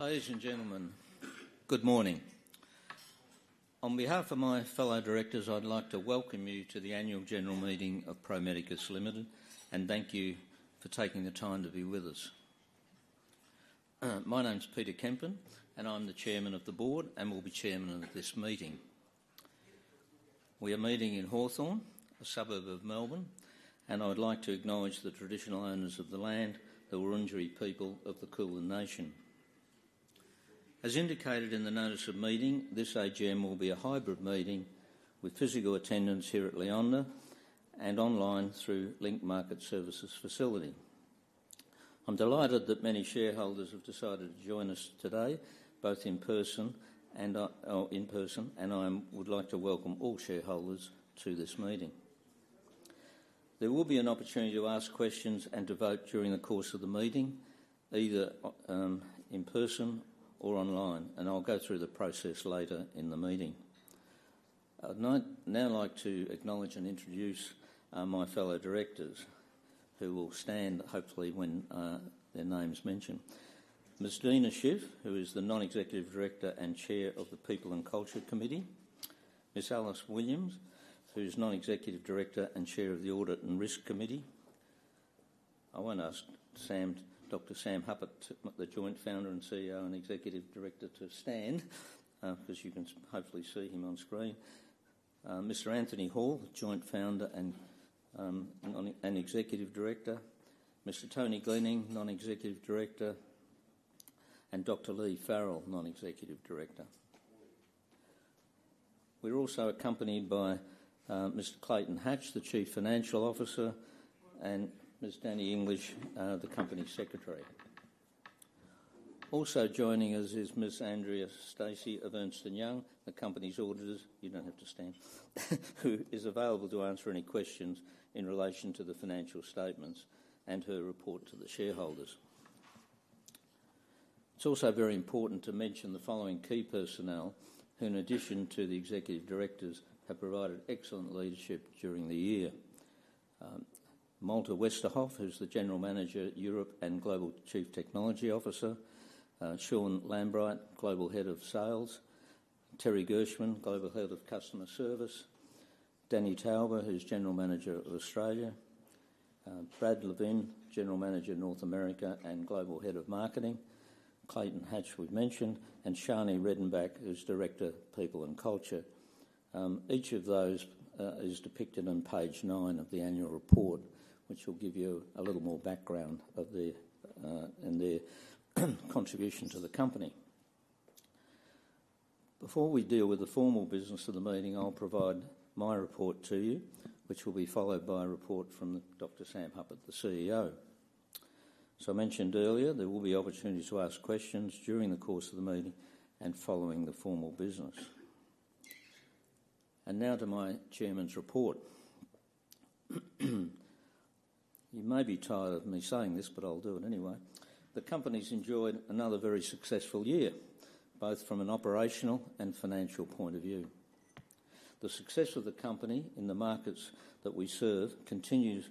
Ladies and gentlemen, good morning. On behalf of my fellow directors, I'd like to welcome you to the annual general meeting of Pro Medicus Limited, and thank you for taking the time to be with us. My name is Peter Kempen, and I'm the Chairman of the Board and will be Chairman of this meeting. We are meeting in Hawthorn, a suburb of Melbourne, and I'd like to acknowledge the traditional owners of the land, the Wurundjeri people of the Kulin Nation. As indicated in the notice of meeting, this AGM will be a hybrid meeting with physical attendance here at Leonda and online through Link Market Services facility. I'm delighted that many shareholders have decided to join us today, both in person, and I would like to welcome all shareholders to this meeting. There will be an opportunity to ask questions and to vote during the course of the meeting, either in person or online, and I'll go through the process later in the meeting. I'd now like to acknowledge and introduce my fellow directors, who will stand hopefully when their names mentioned. Ms. Deena Shiff, who is the Non-executive Director and Chair of the People and Culture Committee. Ms. Alice Williams, who is Non-executive Director and Chair of the Audit and Risk Committee. I want to ask Dr. Sam Hupert, the Joint Founder and CEO and Executive Director, to stand, because you can hopefully see him on screen. Mr. Anthony Hall, Joint Founder and Executive Director. Mr. Tony Glenning, Non-executive Director, and Dr. Leigh Farrell, Non-executive Director. We're also accompanied by Mr. Clayton Hatch, the Chief Financial Officer, and Ms. Danny English, the Company Secretary. Also joining us is Ms. Andrea Stacey of Ernst & Young, the company's auditors, you don't have to stand, who is available to answer any questions in relation to the financial statements and her report to the shareholders. It's also very important to mention the following key personnel who, in addition to the executive directors, have provided excellent leadership during the year. Malte Westerhoff, who's the General Manager, Europe and Global Chief Technology Officer. Sean Lambright, Global Head of Sales. Terry Gershwin, Global Head of Customer Service. Danny Tauber, who's General Manager of Australia. Brad Levin, General Manager North America and Global Head of Marketing. Clayton Hatch, we mentioned, and Shani Redenbach, who's Director, People and Culture. Each of those is depicted on page nine of the annual report, which will give you a little more background and their contribution to the company. Before we deal with the formal business of the meeting, I'll provide my report to you, which will be followed by a report from Dr. Sam Hupert, the CEO. As I mentioned earlier, there will be opportunities to ask questions during the course of the meeting and following the formal business. And now to my chairman's report. You may be tired of me saying this, but I'll do it anyway. The company's enjoyed another very successful year, both from an operational and financial point of view. The success of the company in the markets that we serve continues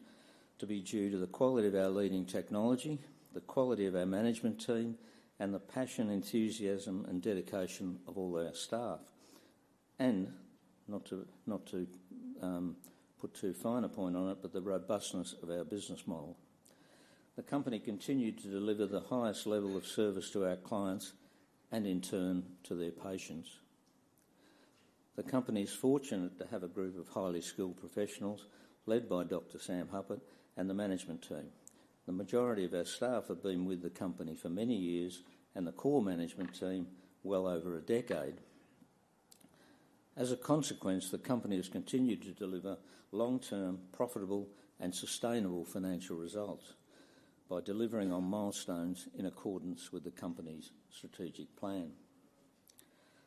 to be due to the quality of our leading technology, the quality of our management team, and the passion, enthusiasm, and dedication of all our staff. And not to put too fine a point on it, but the robustness of our business model. The company continued to deliver the highest level of service to our clients and, in turn, to their patients. The company is fortunate to have a group of highly skilled professionals led by Dr. Sam Hupert and the management team. The majority of our staff have been with the company for many years and the core management team well over a decade. As a consequence, the company has continued to deliver long-term, profitable, and sustainable financial results by delivering on milestones in accordance with the company's strategic plan.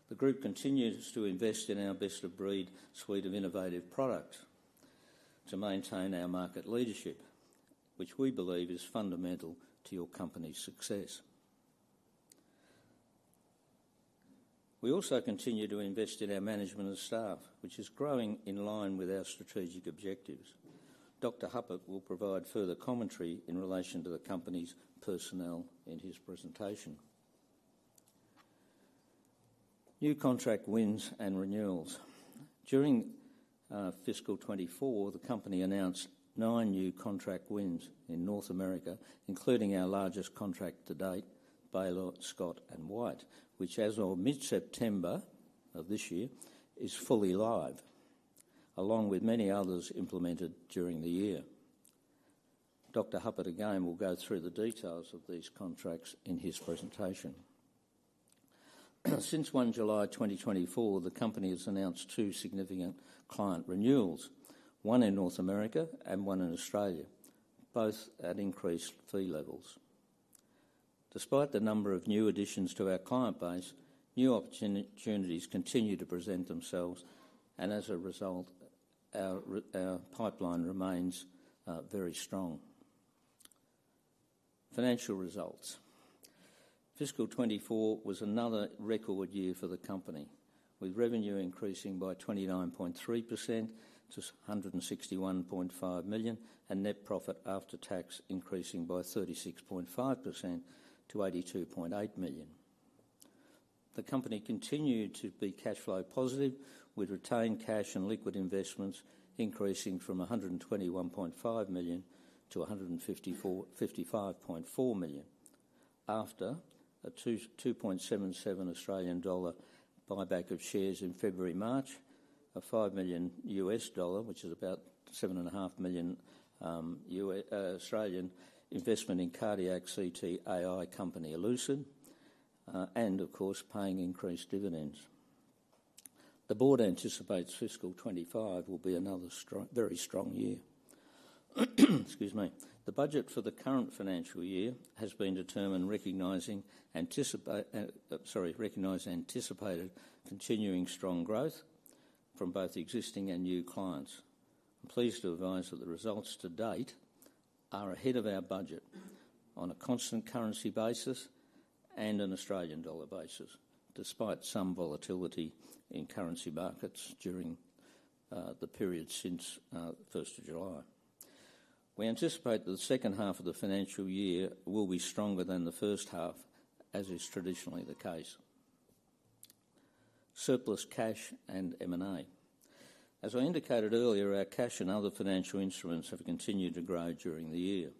The group continues to invest in our best-of-breed suite of innovative products to maintain our market leadership, which we believe is fundamental to your company's success. We also continue to invest in our management and staff, which is growing in line with our strategic objectives. Dr. Hupert will provide further commentary in relation to the company's personnel in his presentation. New contract wins and renewals. During fiscal 2024, the company announced nine new contract wins in North America, including our largest contract to date, Baylor Scott & White, which, as of mid-September of this year, is fully live, along with many others implemented during the year. Dr. Hupert, again, will go through the details of these contracts in his presentation. Since 1 July 2024, the company has announced two significant client renewals, one in North America and one in Australia, both at increased fee levels. Despite the number of new additions to our client base, new opportunities continue to present themselves, and as a result, our pipeline remains very strong. Financial results. Fiscal 2024 was another record year for the company, with revenue increasing by 29.3% to 161.5 million and net profit after tax increasing by 36.5% to 82.8 million. The company continued to be cash flow positive, with retained cash and liquid investments increasing from 121.5 million to 155.4 million after a 2.77 Australian dollar buyback of shares in February/March, a $5 million, which is about 7.5 million investment in cardiac CT AI company Elucid, and, of course, paying increased dividends. The board anticipates fiscal 25 will be another very strong year. The budget for the current financial year has been determined recognizing continuing strong growth from both existing and new clients. I'm pleased to advise that the results to date are ahead of our budget on a constant currency basis and an Australian dollar basis, despite some volatility in currency markets during the period since 1 July. We anticipate that the second half of the financial year will be stronger than the first half, as is traditionally the case. Surplus cash and M&A. As I indicated earlier, our cash and other financial instruments have continued to grow during the year.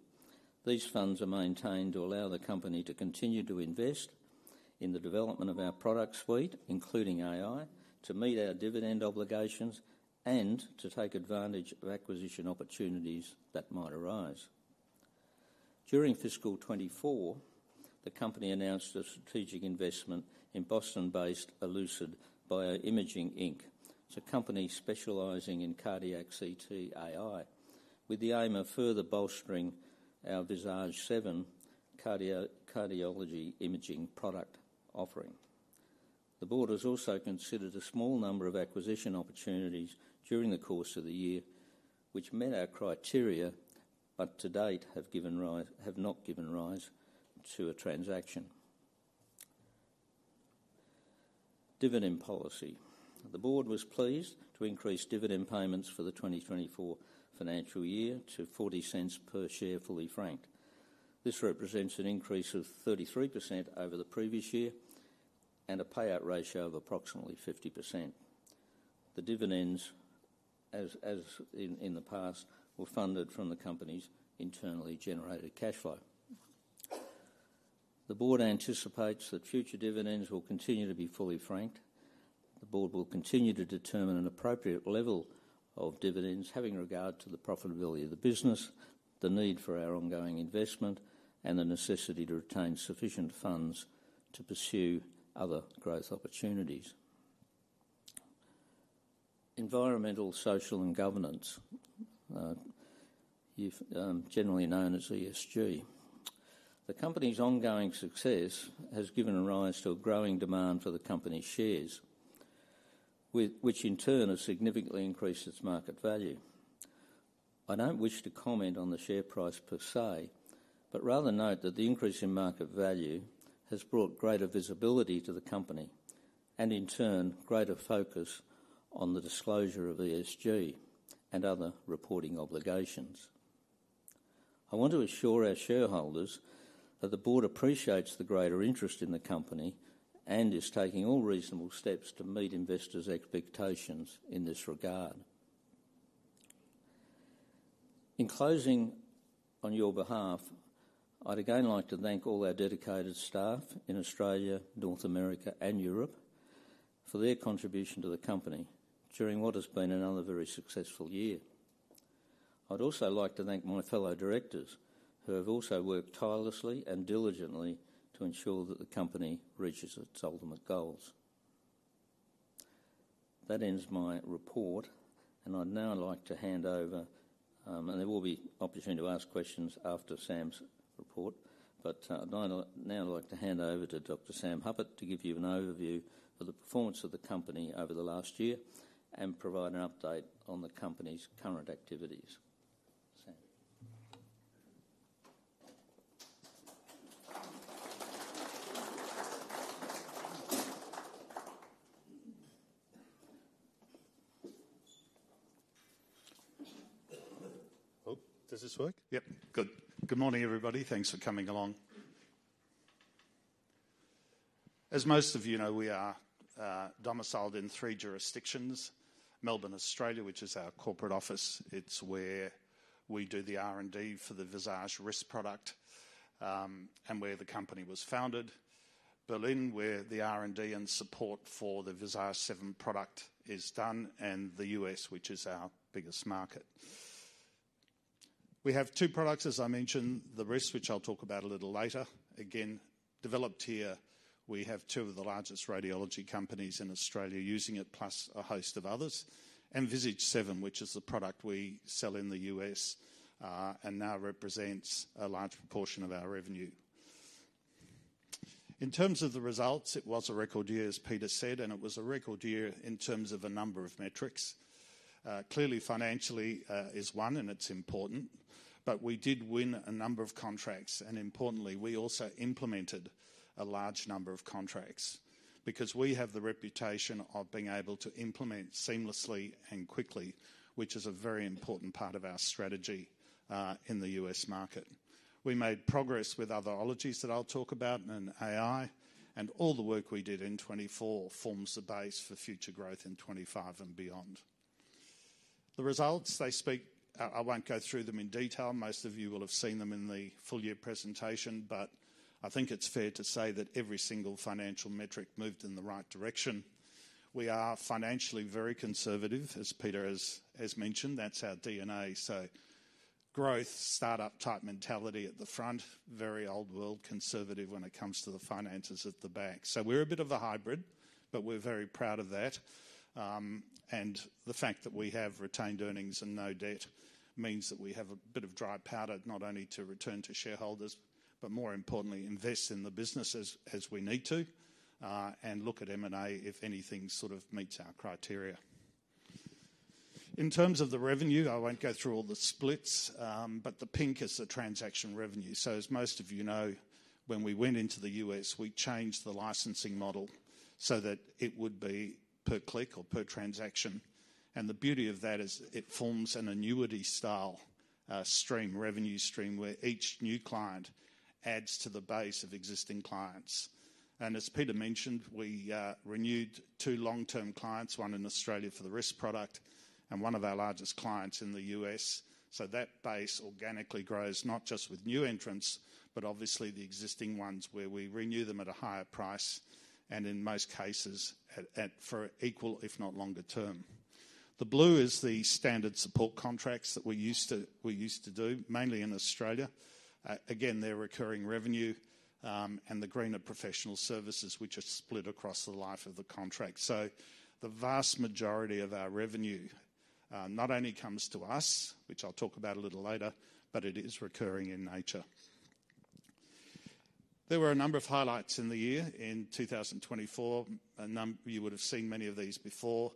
These funds are maintained to allow the company to continue to invest in the development of our product suite, including AI, to meet our dividend obligations, and to take advantage of acquisition opportunities that might arise. During fiscal 2024, the company announced a strategic investment in Boston-based Elucid Bioimaging Inc. It's a company specializing in cardiac CT AI, with the aim of further bolstering our Visage 7 cardiology imaging product offering. The board has also considered a small number of acquisition opportunities during the course of the year, which met our criteria, but to date have not given rise to a transaction. Dividend policy. The board was pleased to increase dividend payments for the 2024 financial year to 0.40 per share, fully franked. This represents an increase of 33% over the previous year and a payout ratio of approximately 50%. The dividends, as in the past, were funded from the company's internally generated cash flow. The board anticipates that future dividends will continue to be fully franked. The board will continue to determine an appropriate level of dividends, having regard to the profitability of the business, the need for our ongoing investment, and the necessity to retain sufficient funds to pursue other growth opportunities. Environmental, social, and governance, generally known as ESG. The company's ongoing success has given rise to a growing demand for the company's shares, which in turn has significantly increased its market value. I don't wish to comment on the share price per se, but rather note that the increase in market value has brought greater visibility to the company and, in turn, greater focus on the disclosure of ESG and other reporting obligations. I want to assure our shareholders that the board appreciates the greater interest in the company and is taking all reasonable steps to meet investors' expectations in this regard. In closing on your behalf, I'd again like to thank all our dedicated staff in Australia, North America, and Europe for their contribution to the company during what has been another very successful year. I'd also like to thank my fellow directors who have also worked tirelessly and diligently to ensure that the company reaches its ultimate goals. That ends my report, and I'd now like to hand over, and there will be an opportunity to ask questions after Sam's report, but I'd now like to hand over to Dr. Sam Hupert to give you an overview of the performance of the company over the last year and provide an update on the company's current activities. Sam. Oh, does this work? Yep, good. Good morning, everybody. Thanks for coming along. As most of you know, we are domiciled in three jurisdictions: Melbourne, Australia, which is our corporate office. It's where we do the R&D for the Visage RIS product and where the company was founded. Berlin, where the R&D and support for the Visage 7 product is done, and the U.S., which is our biggest market. We have two products, as I mentioned, the rest, which I'll talk about a little later. Again, developed here, we have two of the largest radiology companies in Australia using it, plus a host of others, and Visage 7, which is the product we sell in the U.S. and now represents a large proportion of our revenue. In terms of the results, it was a record year, as Peter said, and it was a record year in terms of a number of metrics. Clearly, financially is one, and it's important, but we did win a number of contracts, and importantly, we also implemented a large number of contracts because we have the reputation of being able to implement seamlessly and quickly, which is a very important part of our strategy in the U.S. market. We made progress with modalities that I'll talk about and AI, and all the work we did in 2024 forms the base for future growth in 2025 and beyond. The results, I won't go through them in detail. Most of you will have seen them in the full year presentation, but I think it's fair to say that every single financial metric moved in the right direction. We are financially very conservative, as Peter has mentioned. That's our DNA. So growth, startup-type mentality at the front, very old-world conservative when it comes to the finances at the back. So we're a bit of a hybrid, but we're very proud of that. And the fact that we have retained earnings and no debt means that we have a bit of dry powder, not only to return to shareholders, but more importantly, invest in the businesses as we need to and look at M&A if anything sort of meets our criteria. In terms of the revenue, I won't go through all the splits, but the pink is the transaction revenue. So as most of you know, when we went into the U.S., we changed the licensing model so that it would be per click or per transaction. The beauty of that is it forms an annuity style stream, revenue stream, where each new client adds to the base of existing clients. As Peter mentioned, we renewed two long-term clients, one in Australia for the RIS product and one of our largest clients in the U.S.. That base organically grows not just with new entrants, but obviously the existing ones where we renew them at a higher price and in most cases for equal, if not longer term. The blue is the standard support contracts that we used to do, mainly in Australia. Again, they're recurring revenue, and the green are professional services, which are split across the life of the contract. The vast majority of our revenue not only comes to us, which I'll talk about a little later, but it is recurring in nature. There were a number of highlights in the year. In 2024, you would have seen many of these before.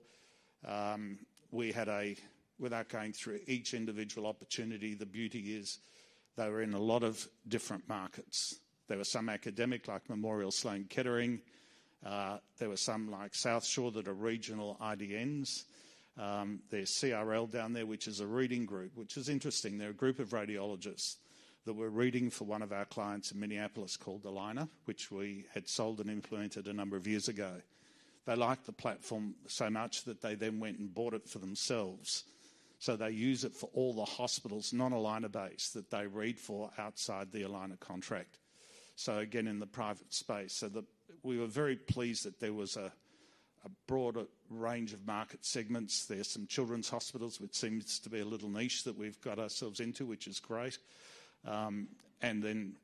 Without going through each individual opportunity, the beauty is they were in a lot of different markets. There were some academic like Memorial Sloan Kettering. There were some like South Shore that are regional IDNs. There's CRL down there, which is a reading group, which is interesting. There are a group of radiologists that were reading for one of our clients in Minneapolis called Allina, which we had sold and implemented a number of years ago. They liked the platform so much that they then went and bought it for themselves. So they use it for all the hospitals, not Allina-based, that they read for outside the Allina contract. So again, in the private space, we were very pleased that there was a broader range of market segments. There's some children's hospitals, which seems to be a little niche that we've got ourselves into, which is great, and then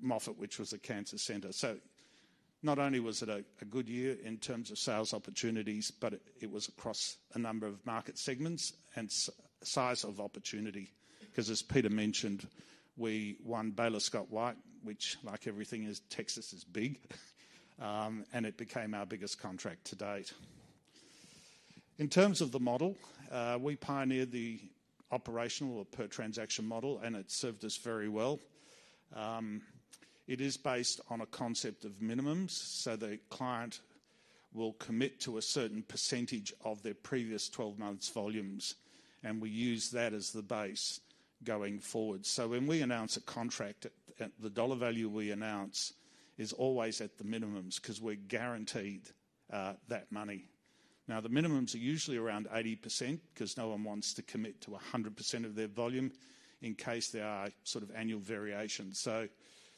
Moffitt, which was a cancer center, so not only was it a good year in terms of sales opportunities, but it was across a number of market segments and size of opportunity. Because as Peter mentioned, we won Baylor Scott & White, which, like everything is, Texas is big, and it became our biggest contract to date. In terms of the model, we pioneered the operational or per transaction model, and it served us very well. It is based on a concept of minimums, so the client will commit to a certain percentage of their previous 12 months' volumes, and we use that as the base going forward, so when we announce a contract, the dollar value we announce is always at the minimums because we're guaranteed that money. Now, the minimums are usually around 80% because no one wants to commit to 100% of their volume in case there are sort of annual variations. So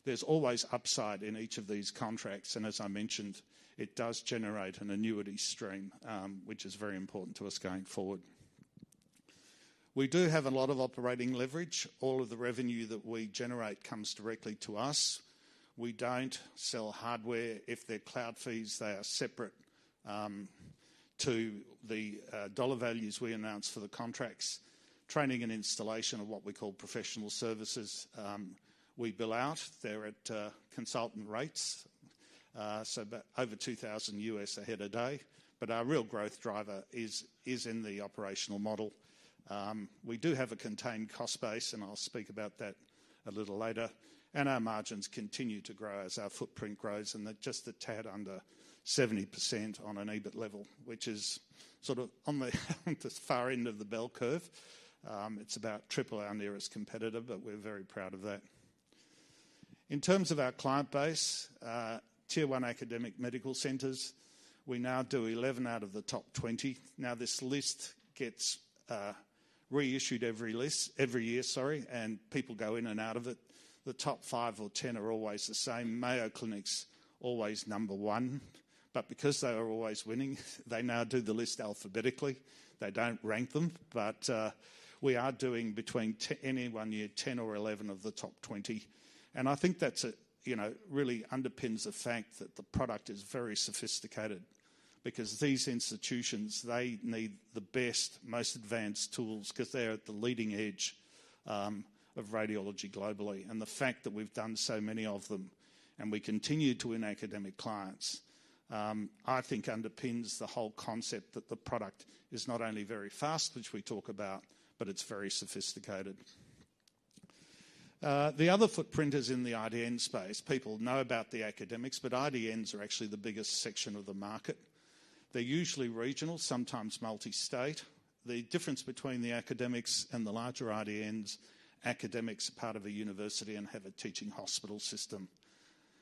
there's always upside in each of these contracts, and as I mentioned, it does generate an annuity stream, which is very important to us going forward. We do have a lot of operating leverage. All of the revenue that we generate comes directly to us. We don't sell hardware. If they're cloud fees, they are separate to the dollar values we announce for the contracts. Training and installation of what we call professional services, we bill out. They're at consultant rates, so over $2,000 USD a head a day. But our real growth driver is in the operational model. We do have a contained cost base, and I'll speak about that a little later. Our margins continue to grow as our footprint grows and just a tad under 70% on an EBIT level, which is sort of on the far end of the bell curve. It's about triple our nearest competitor, but we're very proud of that. In terms of our client base, tier one academic medical centers, we now do 11 out of the top 20. Now, this list gets reissued every year, sorry, and people go in and out of it. The top five or 10 are always the same. Mayo Clinic's always number one, but because they are always winning, they now do the list alphabetically. They don't rank them, but we are doing between any one year, 10 or 11 of the top 20. And I think that really underpins the fact that the product is very sophisticated because these institutions, they need the best, most advanced tools because they're at the leading edge of radiology globally. And the fact that we've done so many of them and we continue to win academic clients, I think underpins the whole concept that the product is not only very fast, which we talk about, but it's very sophisticated. The other footprint is in the IDN space. People know about the academics, but IDNs are actually the biggest section of the market. They're usually regional, sometimes multi-state. The difference between the academics and the larger IDNs. Academics are part of a university and have a teaching hospital system,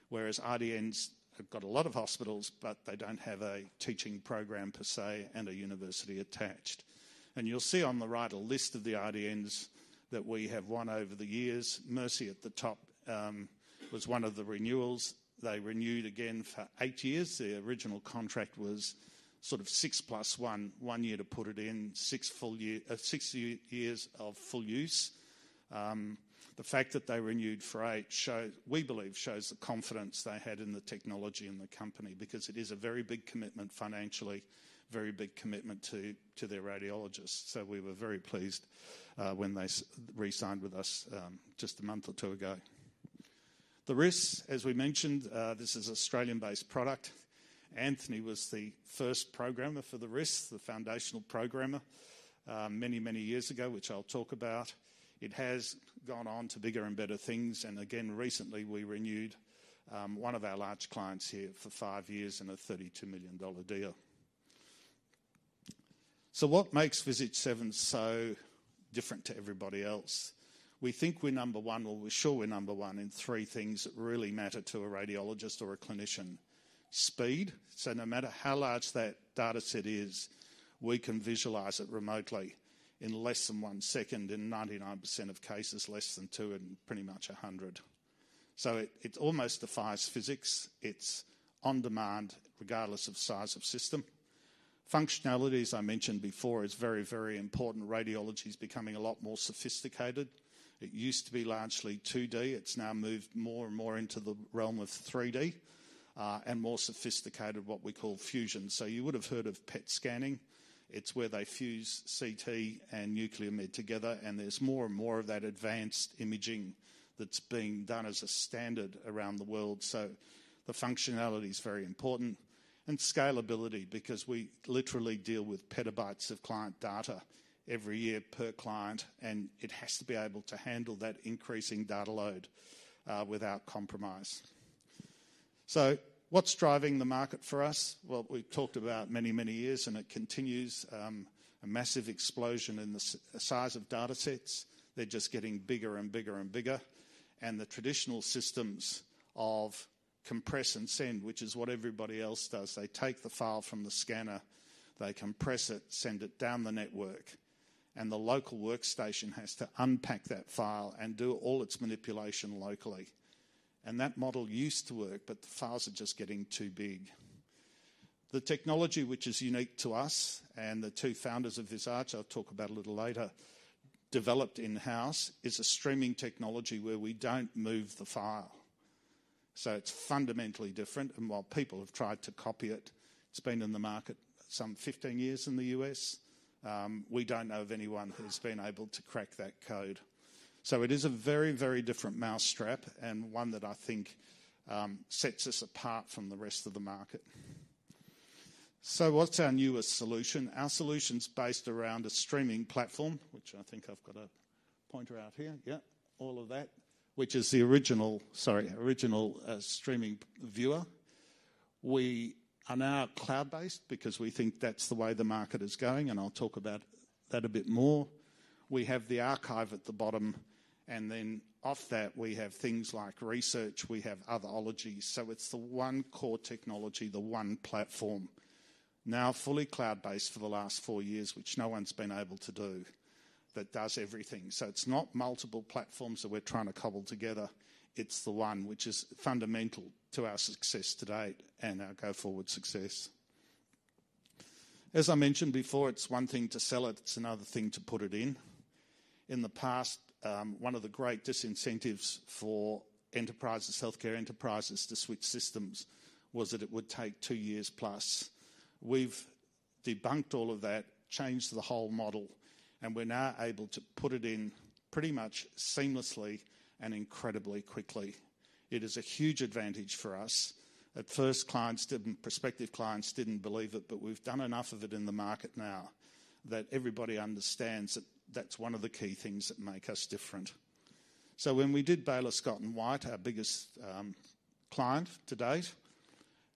whereas IDNs have got a lot of hospitals, but they don't have a teaching program per se and a university attached. You'll see on the right a list of the IDNs that we have won over the years. Mercy at the top was one of the renewals. They renewed again for eight years. The original contract was sort of six plus one, one year to put it in, six years of full use. The fact that they renewed for eight, we believe, shows the confidence they had in the technology and the company because it is a very big commitment financially, very big commitment to their radiologists. So we were very pleased when they re-signed with us just a month or two ago. The RIS, as we mentioned, this is an Australian-based product. Anthony was the first programmer for the RIS, the foundational programmer, many, many years ago, which I'll talk about. It has gone on to bigger and better things. Again, recently, we renewed one of our large clients here for five years in a $32 million deal. What makes Visage 7 so different to everybody else? We think we're number one, or we're sure we're number one in three things that really matter to a radiologist or a clinician: speed. No matter how large that data set is, we can visualize it remotely in less than one second in 99% of cases, less than two in pretty much a hundred. It almost defies physics. It's on demand, regardless of size of system. Functionality, as I mentioned before, is very, very important. Radiology is becoming a lot more sophisticated. It used to be largely 2D. It's now moved more and more into the realm of 3D and more sophisticated, what we call fusion. You would have heard of PET scanning. It's where they fuse CT and nuclear med together, and there's more and more of that advanced imaging that's being done as a standard around the world. The functionality is very important and scalability because we literally deal with petabytes of client data every year per client, and it has to be able to handle that increasing data load without compromise. What's driving the market for us? We've talked about it many, many years, and it continues. A massive explosion in the size of data sets. They're just getting bigger and bigger and bigger. The traditional systems of compress and send, which is what everybody else does, they take the file from the scanner, they compress it, send it down the network, and the local workstation has to unpack that file and do all its manipulation locally. That model used to work, but the files are just getting too big. The technology, which is unique to us and the two founders of Visage, I'll talk about a little later, developed in-house, is a streaming technology where we don't move the file. So it's fundamentally different. And while people have tried to copy it, it's been in the market some 15 years in the U.S. We don't know of anyone who's been able to crack that code. So it is a very, very different mousetrap and one that I think sets us apart from the rest of the market. So what's our newest solution? Our solution's based around a streaming platform, which I think I've got a pointer out here. Yeah, all of that, which is the original, sorry, original streaming viewer. We are now cloud-based because we think that's the way the market is going, and I'll talk about that a bit more. We have the archive at the bottom, and then off that, we have things like research. We have radiology. So it's the one core technology, the one platform, now fully cloud-based for the last four years, which no one's been able to do that does everything. So it's not multiple platforms that we're trying to cobble together. It's the one, which is fundamental to our success today and our go forward success. As I mentioned before, it's one thing to sell it. It's another thing to put it in. In the past, one of the great disincentives for enterprises, healthcare enterprises to switch systems was that it would take two years plus. We've debunked all of that, changed the whole model, and we're now able to put it in pretty much seamlessly and incredibly quickly. It is a huge advantage for us. At first, prospective clients didn't believe it, but we've done enough of it in the market now that everybody understands that that's one of the key things that make us different. So when we did Baylor Scott & White, our biggest client to date,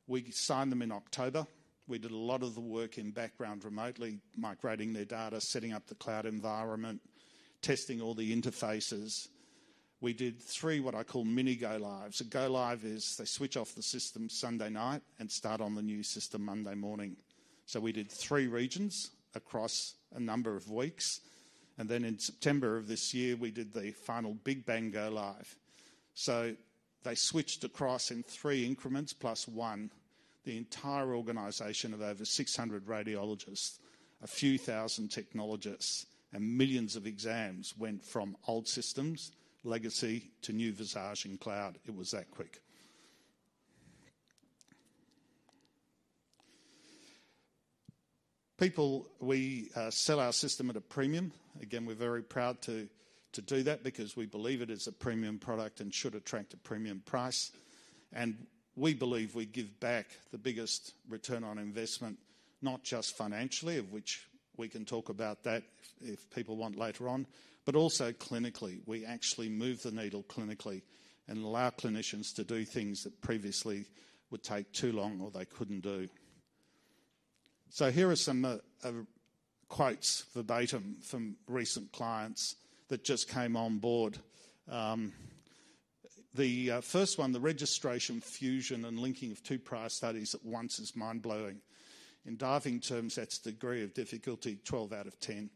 we signed them in October. We did a lot of the work in background remotely, migrating their data, setting up the cloud environment, testing all the interfaces. We did three, what I call mini go-lives. A go-live is they switch off the system Sunday night and start on the new system Monday morning. So we did three regions across a number of weeks. And then in September of this year, we did the final big bang go-live. So they switched across in three increments plus one, the entire organization of over 600 radiologists, a few thousand technologists, and millions of exams went from old systems, legacy to new Visage and cloud. It was that quick. We sell our system at a premium. Again, we're very proud to do that because we believe it is a premium product and should attract a premium price. And we believe we give back the biggest return on investment, not just financially, of which we can talk about that if people want later on, but also clinically. We actually move the needle clinically and allow clinicians to do things that previously would take too long or they couldn't do. So here are some quotes verbatim from recent clients that just came on board. The first one, the registration fusion and linking of two prior studies at once, is mind-blowing. In diving terms, that's degree of difficulty, 12 out of 10.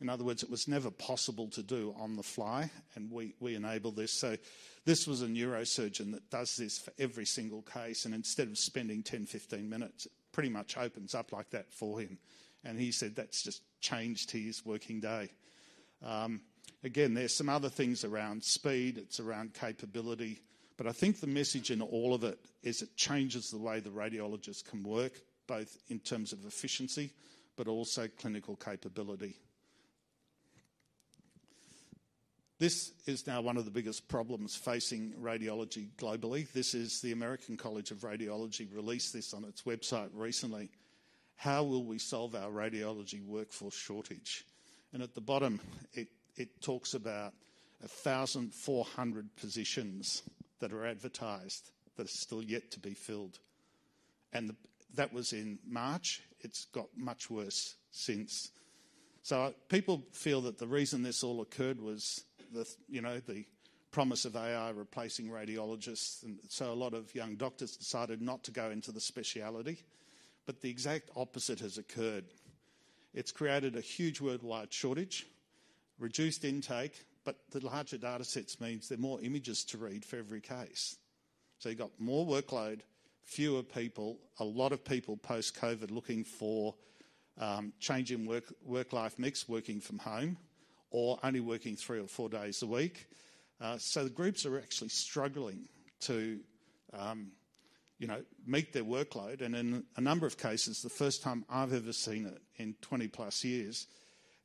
In other words, it was never possible to do on the fly, and we enabled this. So this was a neurosurgeon that does this for every single case, and instead of spending 10 minutes-15 minutes, it pretty much opens up like that for him. And he said that's just changed his working day. Again, there's some other things around speed. It's around capability. But I think the message in all of it is it changes the way the radiologists can work, both in terms of efficiency, but also clinical capability. This is now one of the biggest problems facing radiology globally. This is the American College of Radiology released this on its website recently. How will we solve our radiology workforce shortage? At the bottom, it talks about 1,400 positions that are advertised that are still yet to be filled. That was in March. It's got much worse since. People feel that the reason this all occurred was the promise of AI replacing radiologists. A lot of young doctors decided not to go into the specialty, but the exact opposite has occurred. It's created a huge worldwide shortage, reduced intake, but the larger data sets means there are more images to read for every case. You've got more workload, fewer people, a lot of people post-COVID looking for changing work-life mix, working from home, or only working three or four days a week. The groups are actually struggling to meet their workload. In a number of cases, the first time I've ever seen it in 20+ years,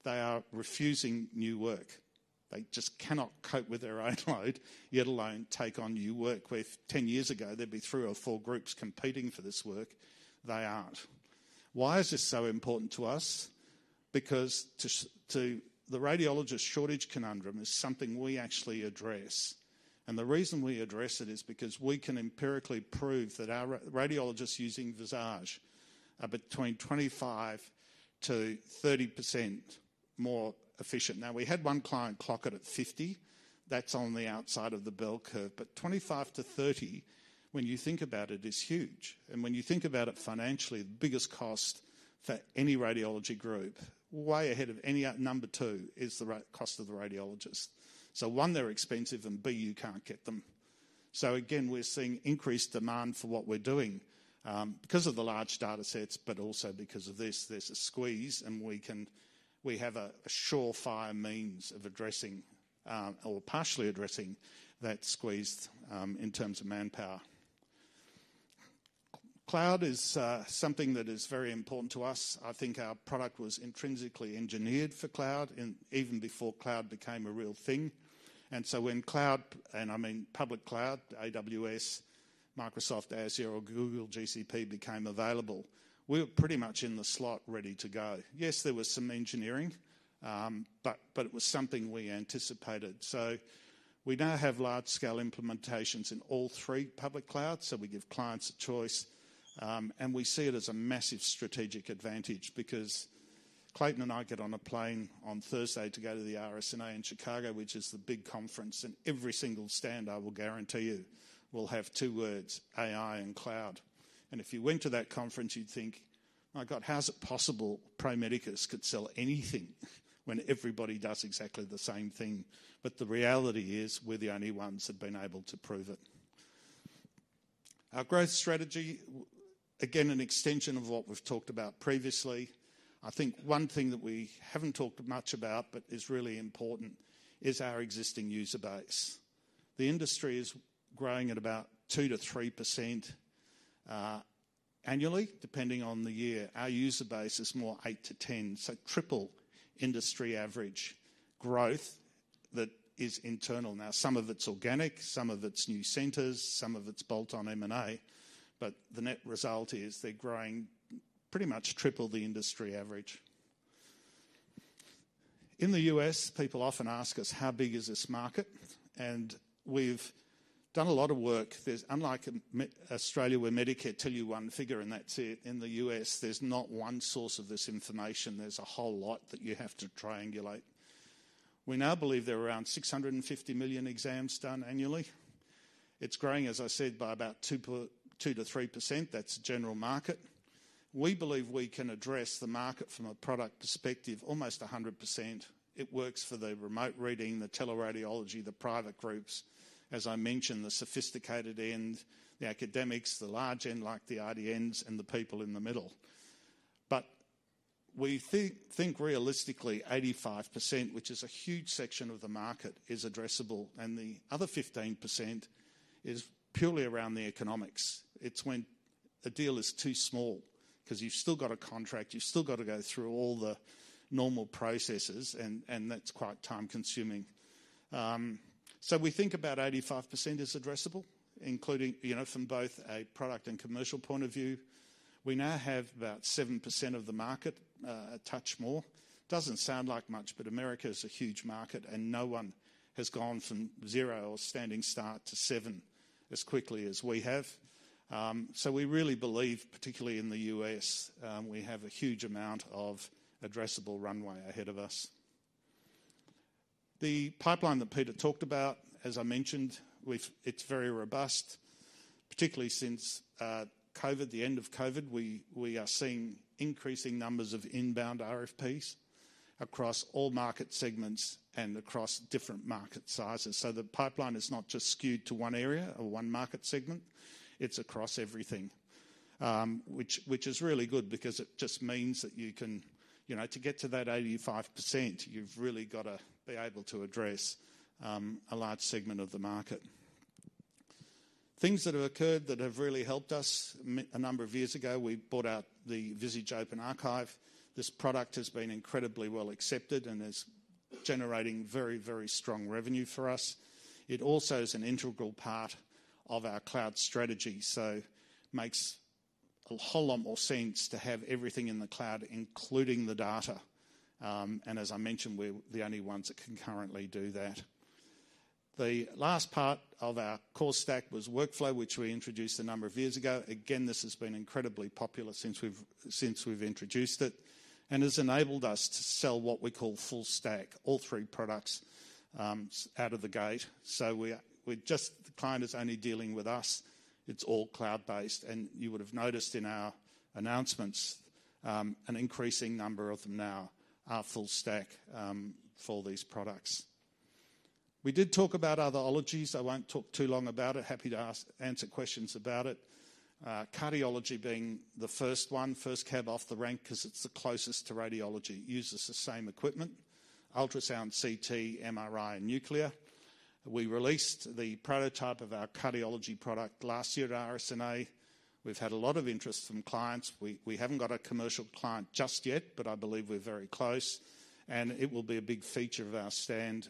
they are refusing new work. They just cannot cope with their own load, let alone take on new work. Where 10 years ago, there'd be three or four groups competing for this work. They aren't. Why is this so important to us? Because the radiologist shortage conundrum is something we actually address. And the reason we address it is because we can empirically prove that our radiologists using Visage are between 25%-30% more efficient. Now, we had one client clock it at 50%. That's on the outside of the bell curve. But 25%-30%, when you think about it, is huge. And when you think about it financially, the biggest cost for any radiology group, way ahead of any number two, is the cost of the radiologist. So one, they're expensive, and B, you can't get them. So again, we're seeing increased demand for what we're doing because of the large data sets, but also because of this. There's a squeeze, and we have a surefire means of addressing or partially addressing that squeeze in terms of manpower. Cloud is something that is very important to us. I think our product was intrinsically engineered for cloud even before cloud became a real thing. And so when cloud, and I mean public cloud, AWS, Microsoft, Azure, or Google GCP became available, we were pretty much in the slot ready to go. Yes, there was some engineering, but it was something we anticipated. So we now have large-scale implementations in all three public clouds. We give clients a choice, and we see it as a massive strategic advantage because Clayton and I get on a plane on Thursday to go to the RSNA in Chicago, which is the big conference. Every single stand, I will guarantee you, will have two words, AI and cloud. If you went to that conference, you'd think, "Oh my God, how's it possible Pro Medicus could sell anything when everybody does exactly the same thing?" The reality is we're the only ones that have been able to prove it. Our growth strategy, again, an extension of what we've talked about previously. I think one thing that we haven't talked much about, but is really important, is our existing user base. The industry is growing at about 2%-3% annually, depending on the year. Our user base is more 8-10, so triple industry average growth that is internal. Now, some of it's organic, some of it's new centers, some of it's bolt-on M&A, but the net result is they're growing pretty much triple the industry average. In the U.S., people often ask us, "How big is this market?" And we've done a lot of work. Unlike Australia, where Medicare tells you one figure and that's it, in the U.S., there's not one source of this information. There's a whole lot that you have to triangulate. We now believe there are around 650 million exams done annually. It's growing, as I said, by about 2%-3%. That's general market. We believe we can address the market from a product perspective almost 100%. It works for the remote reading, the teleradiology, the private groups, as I mentioned, the sophisticated end, the academics, the large end like the IDNs, and the people in the middle. But we think realistically 85%, which is a huge section of the market, is addressable, and the other 15% is purely around the economics. It's when a deal is too small because you've still got a contract. You've still got to go through all the normal processes, and that's quite time-consuming. So we think about 85% is addressable, including from both a product and commercial point of view. We now have about 7% of the market, a touch more. Doesn't sound like much, but America is a huge market, and no one has gone from zero or standing start to seven as quickly as we have. So we really believe, particularly in the U.S., we have a huge amount of addressable runway ahead of us. The pipeline that Peter talked about, as I mentioned, it's very robust, particularly since COVID, the end of COVID. We are seeing increasing numbers of inbound RFPs across all market segments and across different market sizes. So the pipeline is not just skewed to one area or one market segment. It's across everything, which is really good because it just means that you can get to that 85%. You've really got to be able to address a large segment of the market. Things that have occurred that have really helped us. A number of years ago, we bought out the Visage Open Archive. This product has been incredibly well accepted and is generating very, very strong revenue for us. It also is an integral part of our cloud strategy. So it makes a whole lot more sense to have everything in the cloud, including the data. And as I mentioned, we're the only ones that can currently do that. The last part of our core stack was workflow, which we introduced a number of years ago. Again, this has been incredibly popular since we've introduced it and has enabled us to sell what we call full stack, all three products out of the gate. So the client is only dealing with us. It's all cloud-based. And you would have noticed in our announcements, an increasing number of them now are full stack for these products. We did talk about other modalities. I won't talk too long about it. Happy to answer questions about it. Cardiology being the first one, first cab off the rank because it's the closest to radiology. It uses the same equipment: ultrasound, CT, MRI, and nuclear. We released the prototype of our cardiology product last year at RSNA. We've had a lot of interest from clients. We haven't got a commercial client just yet, but I believe we're very close, and it will be a big feature of our stand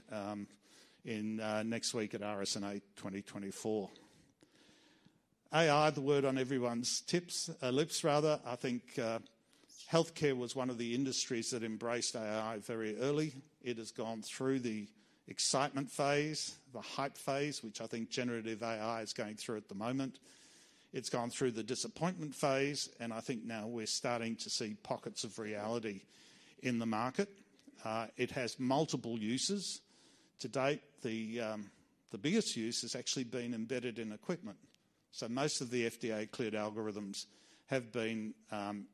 next week at RSNA 2024. AI, the word on everyone's lips, rather. I think healthcare was one of the industries that embraced AI very early. It has gone through the excitement phase, the hype phase, which I think generative AI is going through at the moment. It's gone through the disappointment phase, and I think now we're starting to see pockets of reality in the market. It has multiple uses. To date, the biggest use has actually been embedded in equipment, so most of the FDA-cleared algorithms have been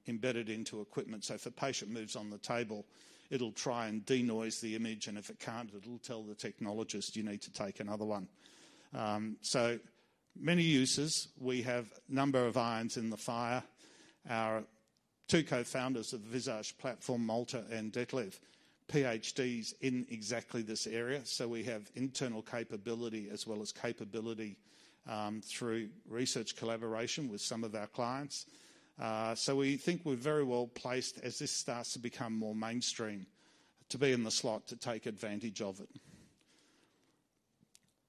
embedded into equipment. So if a patient moves on the table, it'll try and denoise the image, and if it can't, it'll tell the technologist, "You need to take another one." So many uses. We have a number of irons in the fire. Our two co-founders of the Visage platform, Malte and Detlef, PhDs in exactly this area. So we have internal capability as well as capability through research collaboration with some of our clients. So we think we're very well placed as this starts to become more mainstream to be in the slot to take advantage of it.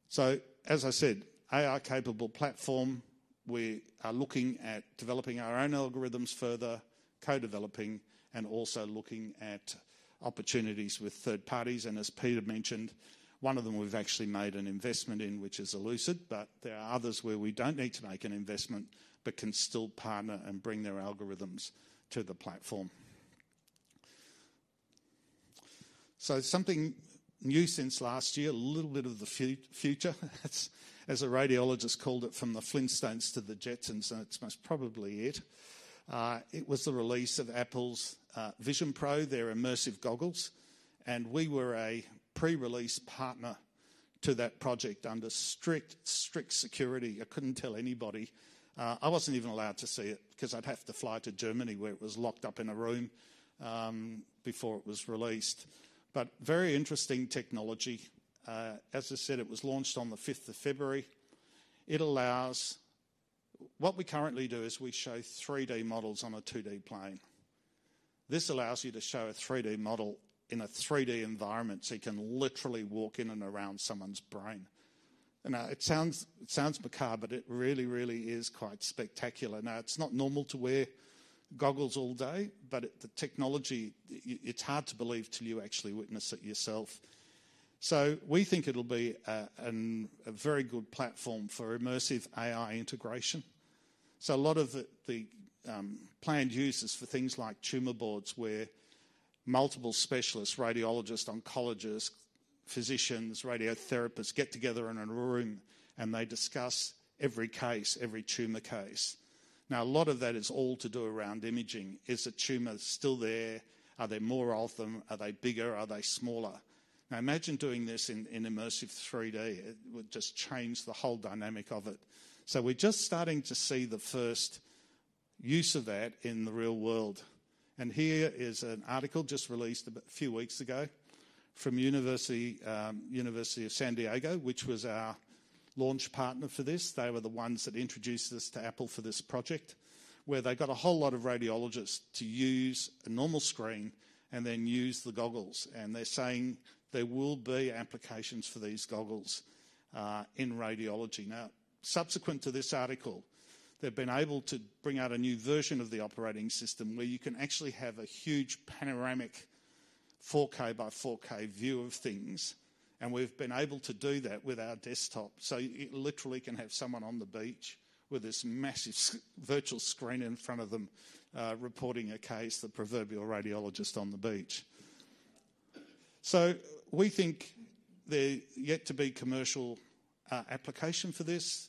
So as I said, AI-capable platform. We are looking at developing our own algorithms further, co-developing, and also looking at opportunities with third parties. And as Peter mentioned, one of them we've actually made an investment in, which is Elucid, but there are others where we don't need to make an investment but can still partner and bring their algorithms to the platform. So something new since last year, a little bit of the future, as a radiologist called it, from the Flintstones to the Jetsons, and it's most probably it. It was the release of Apple's Vision Pro, their immersive goggles. And we were a pre-release partner to that project under strict security. I couldn't tell anybody. I wasn't even allowed to see it because I'd have to fly to Germany where it was locked up in a room before it was released. But very interesting technology. As I said, it was launched on the 5th of February. What we currently do is we show 3D models on a 2D plane. This allows you to show a 3D model in a 3D environment so you can literally walk in and around someone's brain, and it sounds macabre, but it really, really is quite spectacular. Now, it's not normal to wear goggles all day, but the technology, it's hard to believe till you actually witness it yourself, so we think it'll be a very good platform for Immersive AI integration, so a lot of the planned uses for things like tumor boards where multiple specialists, radiologists, oncologists, physicians, radiotherapists get together in a room and they discuss every case, every tumor case. Now, a lot of that is all to do around imaging. Is the tumor still there? Are they more often? Are they bigger? Are they smaller? Now, imagine doing this in immersive 3D. It would just change the whole dynamic of it. We're just starting to see the first use of that in the real world. Here is an article just released a few weeks ago from UC San Diego, which was our launch partner for this. They were the ones that introduced us to Apple for this project where they got a whole lot of radiologists to use a normal screen and then use the goggles. They're saying there will be applications for these goggles in radiology. Subsequent to this article, they've been able to bring out a new version of the operating system where you can actually have a huge panoramic 4K by 4K view of things. We've been able to do that with our desktop. You literally can have someone on the beach with this massive virtual screen in front of them reporting a case, the proverbial radiologist on the beach. So we think there's yet to be commercial application for this,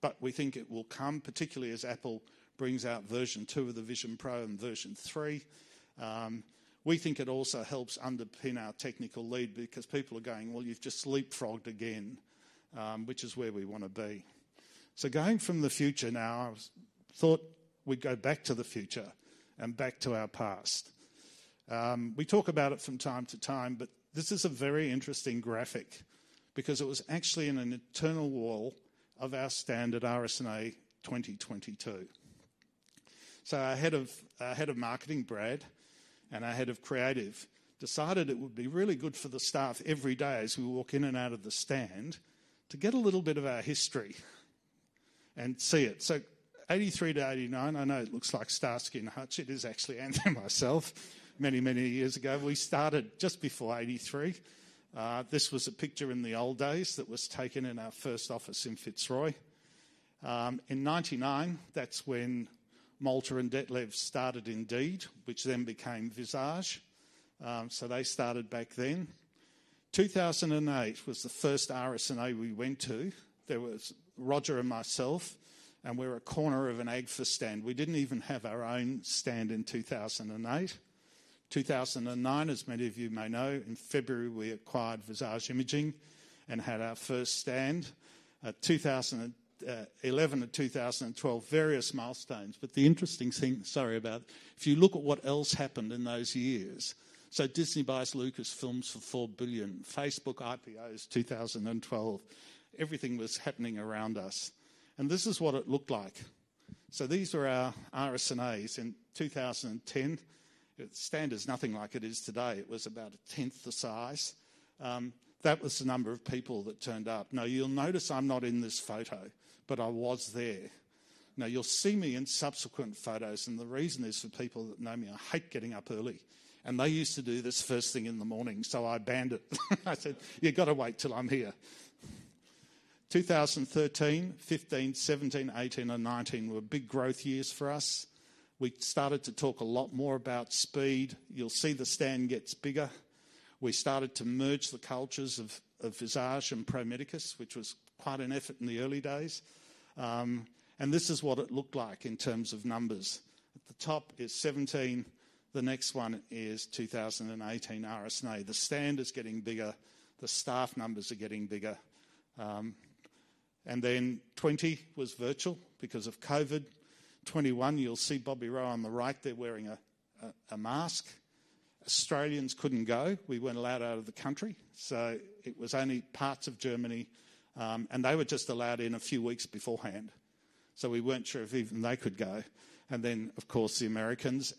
but we think it will come, particularly as Apple brings out version two of the Vision Pro and version three. We think it also helps underpin our technical lead because people are going, "Well, you've just leapfrogged again," which is where we want to be. So going from the future now, I thought we'd go back to the future and back to our past. We talk about it from time to time, but this is a very interesting graphic because it was actually in an internal wall of our standard RSNA 2022. So our head of marketing, Brad, and our head of creative decided it would be really good for the staff every day as we walk in and out of the stand to get a little bit of our history and see it. 1983 to 1989, I know it looks like Starsky & Hutch. It is actually Anthony and myself. Many, many years ago, we started just before 1983. This was a picture in the old days that was taken in our first office in Fitzroy. In 1999, that's when Malte and Detlef started Indeed, which then became Visage. So they started back then. 2008 was the first RSNA we went to. There was Roger and myself, and we were a corner of an Agfa stand. We didn't even have our own stand in 2008. 2009, as many of you may know, in February, we acquired Visage Imaging and had our first stand. 2011 to 2012, various milestones. But the interesting thing, sorry about it, if you look at what else happened in those years, so Disney buys Lucasfilm for $4 billion, Facebook IPOs 2012, everything was happening around us. This is what it looked like. So these are our RSNAs in 2010. The stand is nothing like it is today. It was about a tenth the size. That was the number of people that turned up. Now, you'll notice I'm not in this photo, but I was there. Now, you'll see me in subsequent photos, and the reason is for people that know me, I hate getting up early. They used to do this first thing in the morning, so I banned it. I said, "You've got to wait till I'm here." 2013, 2015, 2017, 2018, and 2019 were big growth years for us. We started to talk a lot more about speed. You'll see the stand gets bigger. We started to merge the cultures of Visage and Pro Medicus, which was quite an effort in the early days. This is what it looked like in terms of numbers. At the top is 2017. The next one is 2018 RSNA. The stand is getting bigger. The staff numbers are getting bigger. Then 2020 was virtual because of COVID. 2021, you'll see Bobby Roe on the right. They're wearing a mask. Australians couldn't go. We weren't allowed out of the country. So it was only parts of Germany, and they were just allowed in a few weeks beforehand. So we weren't sure if even they could go. Then, of course, the Americans.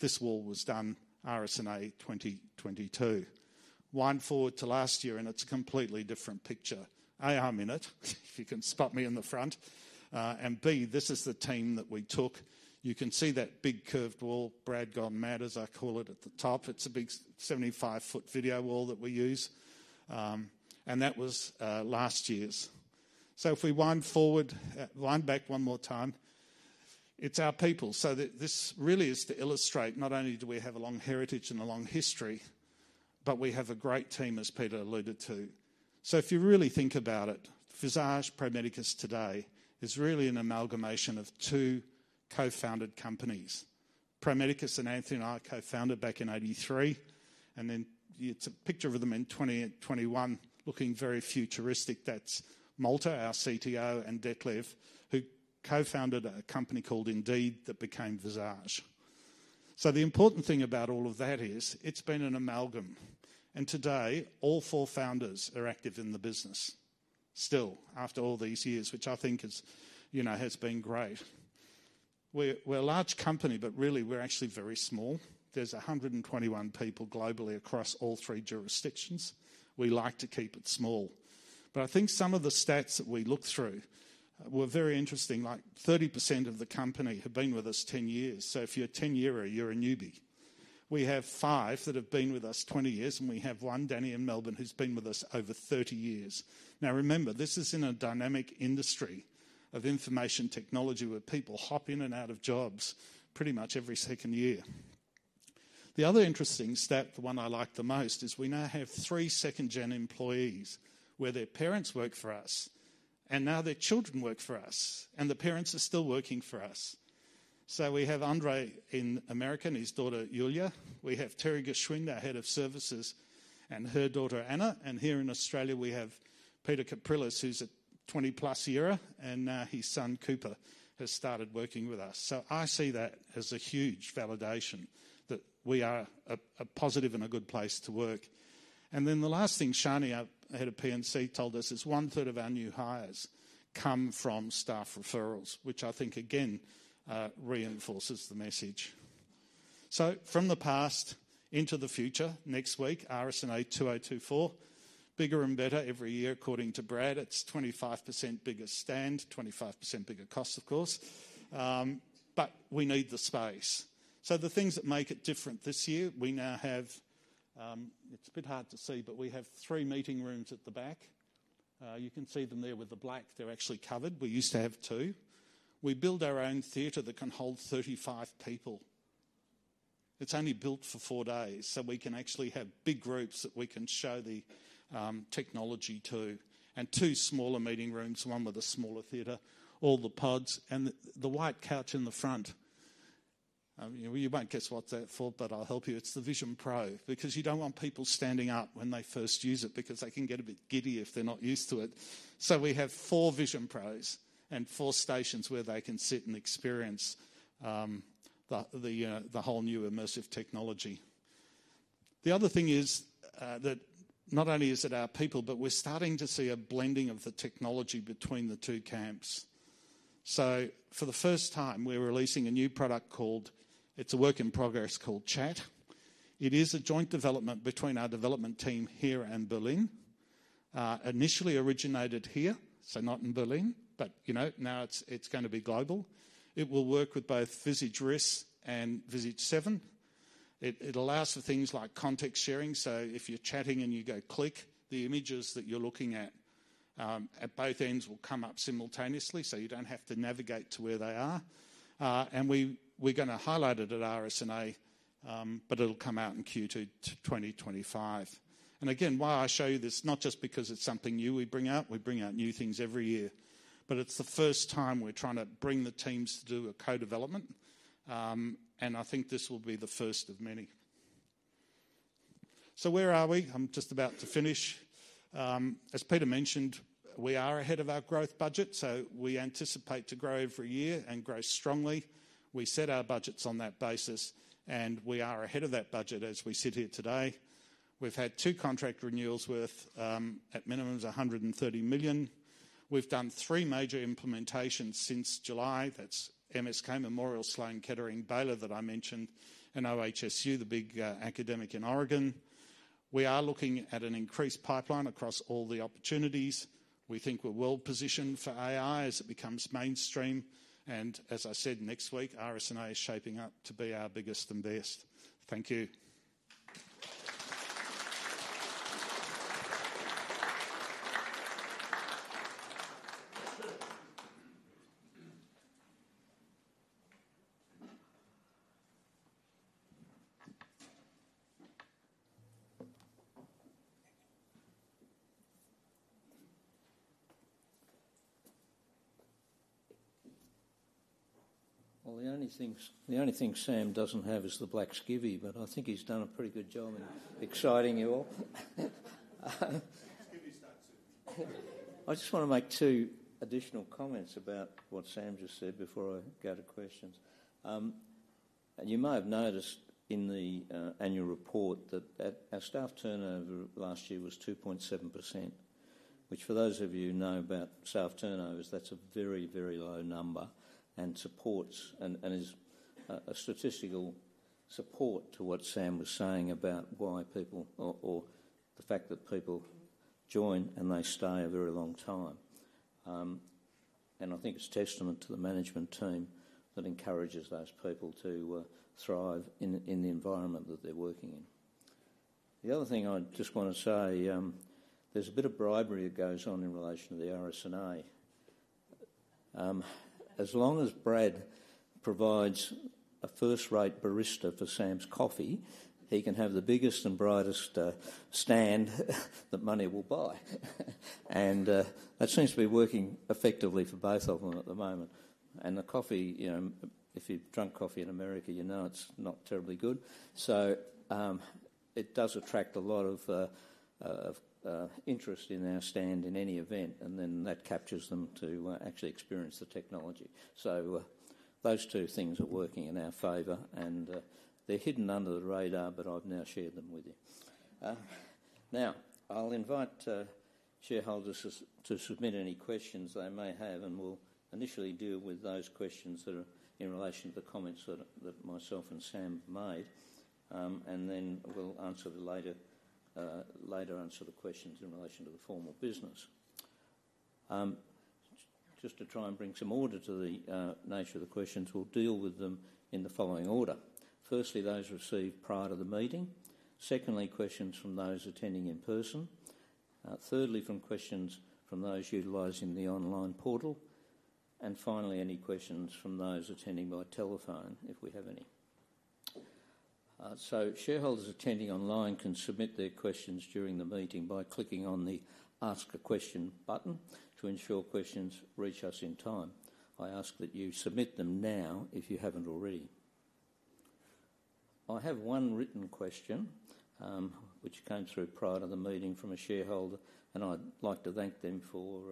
This wall was done RSNA 2022. Wind forward to last year, and it's a completely different picture. A, I'm in it, if you can spot me in the front. And B, this is the team that we took. You can see that big curved wall, Brad Gone Matters, I call it at the top. It's a big 75-foot video wall that we use. And that was last year's. So if we wind back one more time, it's our people. So this really is to illustrate not only do we have a long heritage and a long history, but we have a great team, as Peter alluded to. So if you really think about it, Visage, Pro Medicus today is really an amalgamation of two co-founded companies. Pro Medicus and Anthony and I co-founded back in 1983. And then it's a picture of them in 2021 looking very futuristic. That's Malte, our CTO, and Detlef, who co-founded a company called Indeed that became Visage. So the important thing about all of that is it's been an amalgam. And today, all four founders are active in the business still after all these years, which I think has been great. We're a large company, but really, we're actually very small. There's 121 people globally across all three jurisdictions. We like to keep it small. But I think some of the stats that we look through were very interesting. Like 30% of the company have been with us 10 years. So if you're a 10-yearer, you're a newbie. We have five that have been with us 20 years, and we have one Danny in Melbourne who's been with us over 30 years. Now, remember, this is in a dynamic industry of information technology where people hop in and out of jobs pretty much every second year. The other interesting stat, the one I like the most, is we now have three second-gen employees where their parents work for us, and now their children work for us, and the parents are still working for us. We have Andre in America, his daughter Yulia. We have Terry Gershwin, our head of services, and her daughter Anna. Here in Australia, we have Peter Caprilis, who's a 20+ yearer, and now his son, Cooper, has started working with us. I see that as a huge validation that we are a positive and a good place to work. The last thing Shani, our head of P&C, told us is one-third of our new hires come from staff referrals, which I think, again, reinforces the message. From the past into the future, next week, RSNA 2024, bigger and better every year. According to Brad, it's 25% bigger stand, 25% bigger cost, of course, but we need the space. The things that make it different this year, we now have. It's a bit hard to see, but we have three meeting rooms at the back. You can see them there with the black. They're actually covered. We used to have two. We built our own theater that can hold 35 people. It's only built for four days, so we can actually have big groups that we can show the technology to and two smaller meeting rooms, one with a smaller theater, all the pods and the white couch in the front. You won't guess what that's for, but I'll help you. It's the Vision Pro because you don't want people standing up when they first use it because they can get a bit giddy if they're not used to it. So we have four Vision Pros and four stations where they can sit and experience the whole new immersive technology. The other thing is that not only is it our people, but we're starting to see a blending of the technology between the two camps. So for the first time, we're releasing a new product called, it's a work in progress called Chat. It is a joint development between our development team here and Berlin. Initially originated here, so not in Berlin, but now it's going to be global. It will work with both Visage RIS and Visage 7. It allows for things like context sharing. So if you're chatting and you go click, the images that you're looking at at both ends will come up simultaneously so you don't have to navigate to where they are. We're going to highlight it at RSNA, but it'll come out in Q2 2025. Again, why I show you this, not just because it's something new we bring out. We bring out new things every year, but it's the first time we're trying to bring the teams to do a co-development. I think this will be the first of many. Where are we? I'm just about to finish. As Peter mentioned, we are ahead of our growth budget, so we anticipate to grow every year and grow strongly. We set our budgets on that basis, and we are ahead of that budget as we sit here today. We've had two contract renewals worth at a minimum $130 million. We've done three major implementations since July. That's MSK, Memorial Sloan Kettering, Baylor that I mentioned, and OHSU, the big academic in Oregon. We are looking at an increased pipeline across all the opportunities. We think we're well positioned for AI as it becomes mainstream. And as I said, next week, RSNA is shaping up to be our biggest and best. Thank you. Well, the only thing Sam doesn't have is the black skivvy, but I think he's done a pretty good job in exciting you all. I just want to make two additional comments about what Sam just said before I go to questions. And you might have noticed in the annual report that our staff turnover last year was 2.7%, which for those of you who know about staff turnovers, that's a very, very low number and supports and is a statistical support to what Sam was saying about why people or the fact that people join and they stay a very long time. And I think it's a testament to the management team that encourages those people to thrive in the environment that they're working in. The other thing I just want to say, there's a bit of bribery that goes on in relation to the RSNA. As long as Brad provides a first-rate barista for Sam's coffee, he can have the biggest and brightest stand that money will buy. And that seems to be working effectively for both of them at the moment. And the coffee, if you've drunk coffee in America, you know it's not terribly good. So it does attract a lot of interest in our stand in any event, and then that captures them to actually experience the technology. So those two things are working in our favor, and they're hidden under the radar, but I've now shared them with you. Now, I'll invite shareholders to submit any questions they may have, and we'll initially deal with those questions that are in relation to the comments that myself and Sam made. And then we'll answer the other questions in relation to the formal business. Just to try and bring some order to the nature of the questions, we'll deal with them in the following order. Firstly, those received prior to the meeting. Secondly, questions from those attending in person. Thirdly, questions from those utilizing the online portal. And finally, any questions from those attending by telephone if we have any. So shareholders attending online can submit their questions during the meeting by clicking on the Ask a Question button to ensure questions reach us in time. I ask that you submit them now if you haven't already. I have one written question, which came through prior to the meeting from a shareholder, and I'd like to thank them for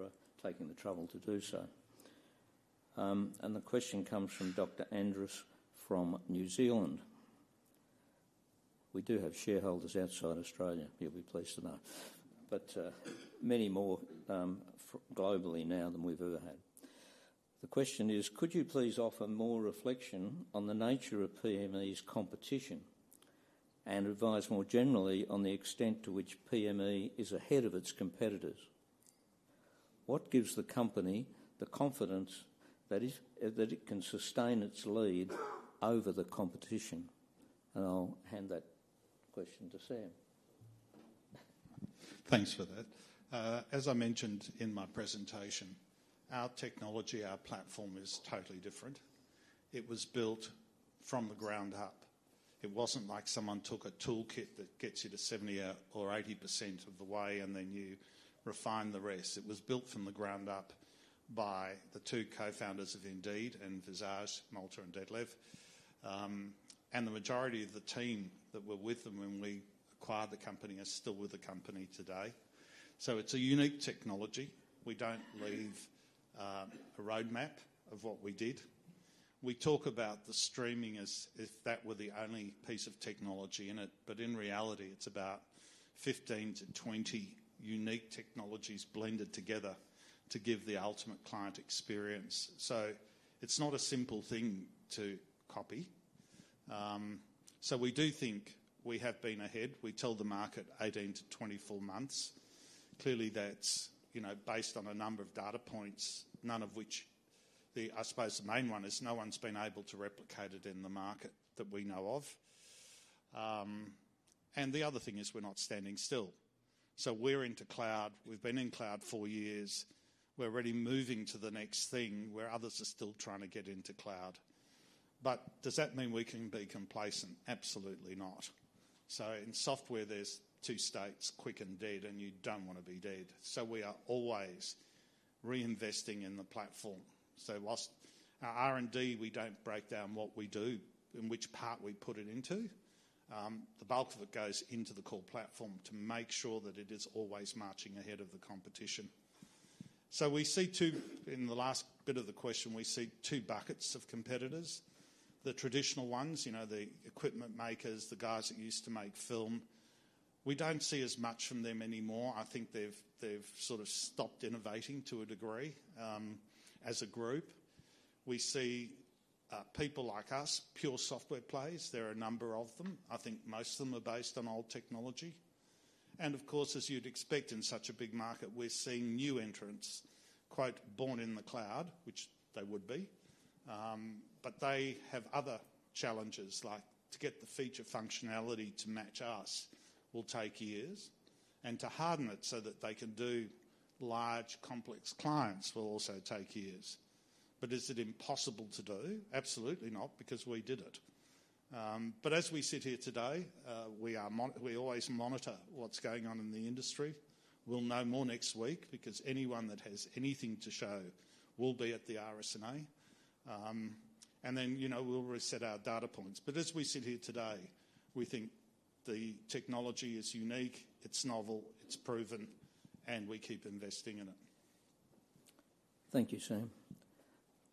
taking the trouble to do so, and the question comes from Dr. Andrus from New Zealand. We do have shareholders outside Australia. You'll be pleased to know, but many more globally now than we've ever had. The question is, could you please offer more reflection on the nature of PME's competition and advise more generally on the extent to which PME is ahead of its competitors? What gives the company the confidence that it can sustain its lead over the competition? And I'll hand that question to Sam. Thanks for that. As I mentioned in my presentation, our technology, our platform is totally different. It was built from the ground up. It wasn't like someone took a toolkit that gets you to 70% or 80% of the way, and then you refine the rest. It was built from the ground up by the two co-founders of Indeed and Visage, Malte and Detlef. The majority of the team that were with them when we acquired the company are still with the company today. It's a unique technology. We don't leave a roadmap of what we did. We talk about the streaming as if that were the only piece of technology in it, but in reality, it's about 15-20 unique technologies blended together to give the ultimate client experience. It's not a simple thing to copy. We do think we have been ahead. We tell the market 18-24 months. Clearly, that's based on a number of data points, none of which, I suppose the main one is no one's been able to replicate it in the market that we know of. And the other thing is we're not standing still. So we're into cloud. We've been in cloud for years. We're already moving to the next thing where others are still trying to get into cloud. But does that mean we can be complacent? Absolutely not. So in software, there's two states, quick and dead, and you don't want to be dead. So we are always reinvesting in the platform. So our R&D, we don't break down what we do and which part we put it into. The bulk of it goes into the core platform to make sure that it is always marching ahead of the competition. So we see two, in the last bit of the question, we see two buckets of competitors. The traditional ones, the equipment makers, the guys that used to make film. We don't see as much from them anymore. I think they've sort of stopped innovating to a degree as a group. We see people like us, pure software players. There are a number of them. I think most of them are based on old technology. And of course, as you'd expect in such a big market, we're seeing new entrants, quote, born in the cloud, which they would be. But they have other challenges, like to get the feature functionality to match us will take years. And to harden it so that they can do large, complex clients will also take years. But is it impossible to do? Absolutely not, because we did it. But as we sit here today, we always monitor what's going on in the industry. We'll know more next week because anyone that has anything to show will be at the RSNA. And then we'll reset our data points. But as we sit here today, we think the technology is unique, it's novel, it's proven, and we keep investing in it. Thank you, Sam.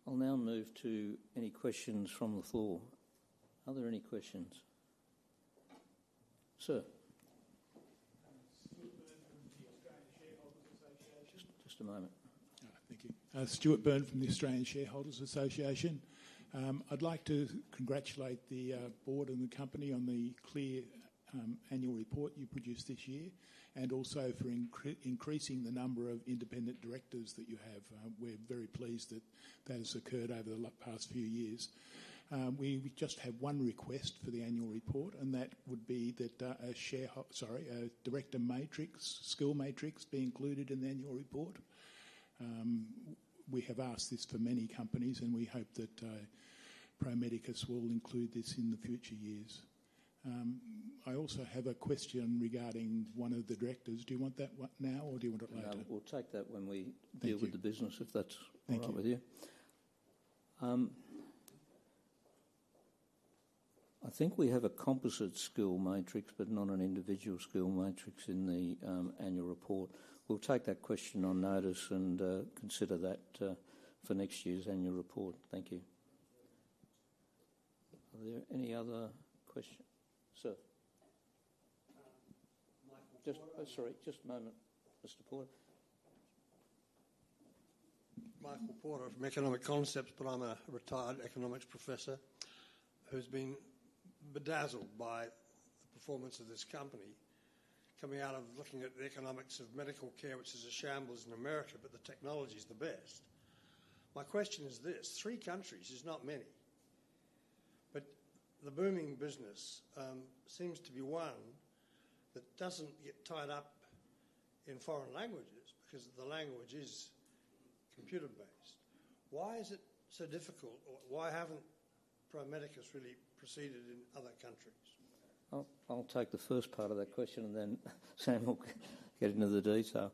I'll now move to any questions from the floor. Are there any questions? Sir? Stuart Byrne from the Australian Shareholders' Association. Just a moment. Thank you. Stuart Byrne from the Australian Shareholders' Association. I'd like to congratulate the board and the company on the clear annual report you produced this year and also for increasing the number of independent directors that you have. We're very pleased that that has occurred over the past few years. We just have one request for the annual report, and that would be that a shareholder, sorry, a director matrix, skill matrix be included in the annual report. We have asked this for many companies, and we hope that Pro Medicus will include this in the future years. I also have a question regarding one of the directors. Do you want that now, or do you want it later? We'll take that when we deal with the business, if that's all right with you. I think we have a composite skill matrix, but not an individual skill matrix in the annual report. We'll take that question on notice and consider that for next year's annual report. Thank you. Are there any other questions? Sir? Just a moment, Mr. Porter. Michael Porter from Economic Concepts, but I'm a retired economics professor who's been bedazzled by the performance of this company coming out of looking at the economics of medical care, which is a shambles in America, but the technology is the best. My question is this: three countries is not many. But the booming business seems to be one that doesn't get tied up in foreign languages because the language is computer-based. Why is it so difficult? Why haven't Pro Medicus really proceeded in other countries? I'll take the first part of that question, and then Sam will get into the detail.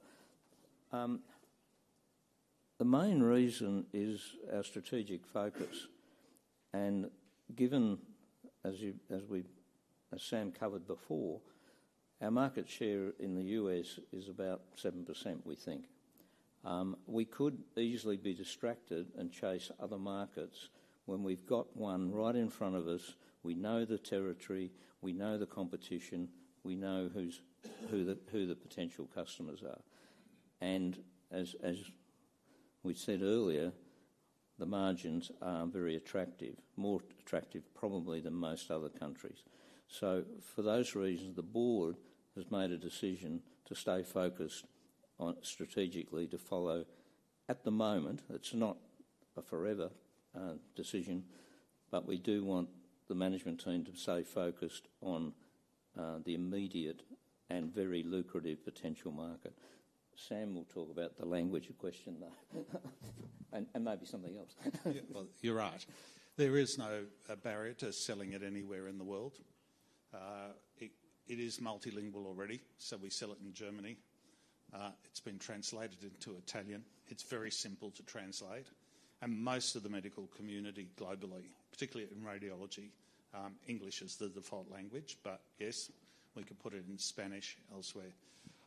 The main reason is our strategic focus and given, as Sam covered before, our market share in the U.S. is about 7%, we think. We could easily be distracted and chase other markets when we've got one right in front of us. We know the territory. We know the competition. We know who the potential customers are, and as we said earlier, the margins are very attractive, more attractive probably than most other countries, so for those reasons, the board has made a decision to stay focused strategically to follow. At the moment, it's not a forever decision, but we do want the management team to stay focused on the immediate and very lucrative potential market. Sam will talk about the language of question, though, and maybe something else. You're right. There is no barrier to selling it anywhere in the world. It is multilingual already, so we sell it in Germany. It's been translated into Italian. It's very simple to translate. And most of the medical community globally, particularly in radiology, English is the default language, but yes, we could put it in Spanish elsewhere.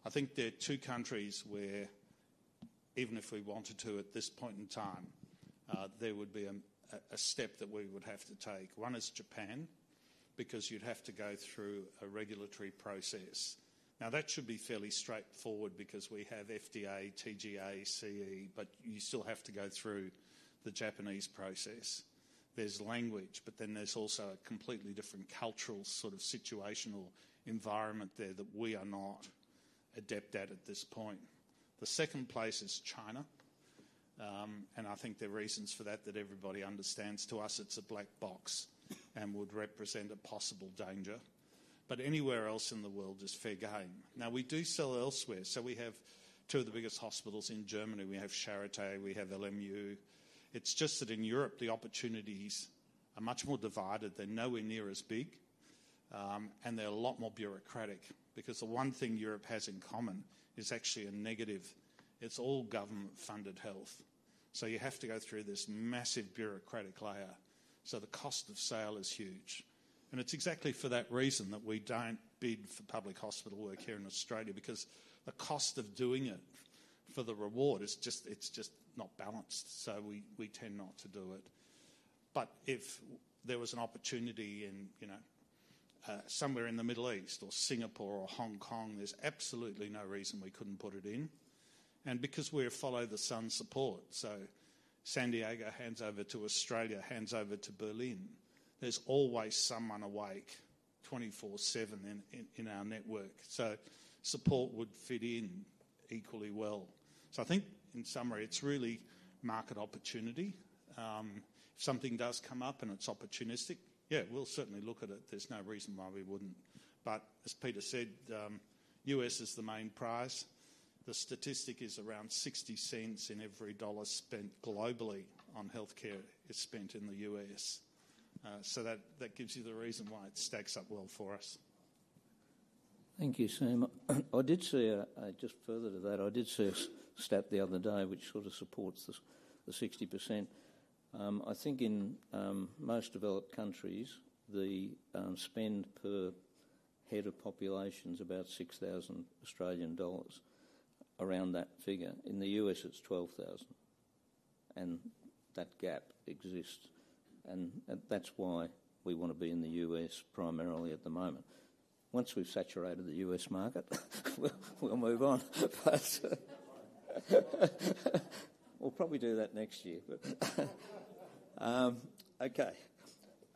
I think there are two countries where, even if we wanted to at this point in time, there would be a step that we would have to take. One is Japan because you'd have to go through a regulatory process. Now, that should be fairly straightforward because we have FDA, TGA, CE, but you still have to go through the Japanese process. There's language, but then there's also a completely different cultural sort of situational environment there that we are not adept at at this point. The second place is China. And I think there are reasons for that that everybody understands. To us, it's a black box and would represent a possible danger. But anywhere else in the world is fair game. Now, we do sell elsewhere. So we have two of the biggest hospitals in Germany. We have Charité. We have LMU. It's just that in Europe, the opportunities are much more divided. They're nowhere near as big. And they're a lot more bureaucratic because the one thing Europe has in common is actually a negative. It's all government-funded health. So you have to go through this massive bureaucratic layer. So the cost of sale is huge. And it's exactly for that reason that we don't bid for public hospital work here in Australia because the cost of doing it for the reward, it's just not balanced. So we tend not to do it. But if there was an opportunity somewhere in the Middle East or Singapore or Hong Kong, there's absolutely no reason we couldn't put it in. And because we're follow-the-sun support, so San Diego hands over to Australia, hands over to Berlin, there's always someone awake 24/7 in our network. So support would fit in equally well. I think in summary, it's really market opportunity. If something does come up and it's opportunistic, yeah, we'll certainly look at it. There's no reason why we wouldn't. But as Peter said, the U.S. is the main prize. The statistic is around 60 cents in every dollar spent globally on healthcare is spent in the U.S. So that gives you the reason why it stacks up well for us. Thank you, Sam. I did see, just further to that, I did see a stat the other day, which sort of supports the 60%. I think in most developed countries, the spend per head of population is about 6,000 Australian dollars, around that figure. In the U.S., it's 12,000. And that gap exists. And that's why we want to be in the U.S. primarily at the moment. Once we've saturated the U.S. market, we'll move on. We'll probably do that next year. Okay.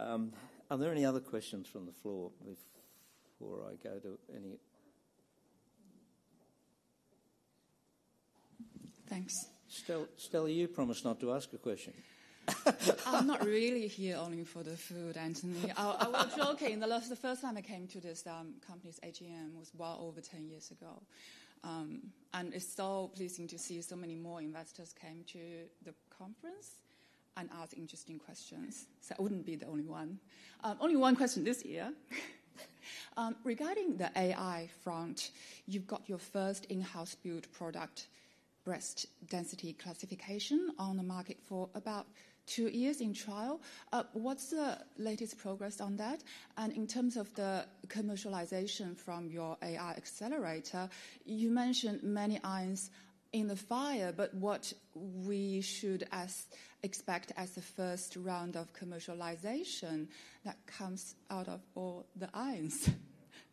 Are there any other questions from the floor before I go to any? Thanks. Stella, you promised not to ask a question. I'm not really here only for the food, Anthony. I was joking. The first time I came to this company's AGM was well over 10 years ago, and it's so pleasing to see so many more investors came to the conference and asked interesting questions. So I wouldn't be the only one. Only one question this year. Regarding the AI front, you've got your first in-house built product, breast density classification, on the market for about two years in trial. What's the latest progress on that? And in terms of the commercialization from your AI accelerator, you mentioned many eyes in the fire, but what we should expect as the first round of commercialization that comes out of all the eyes?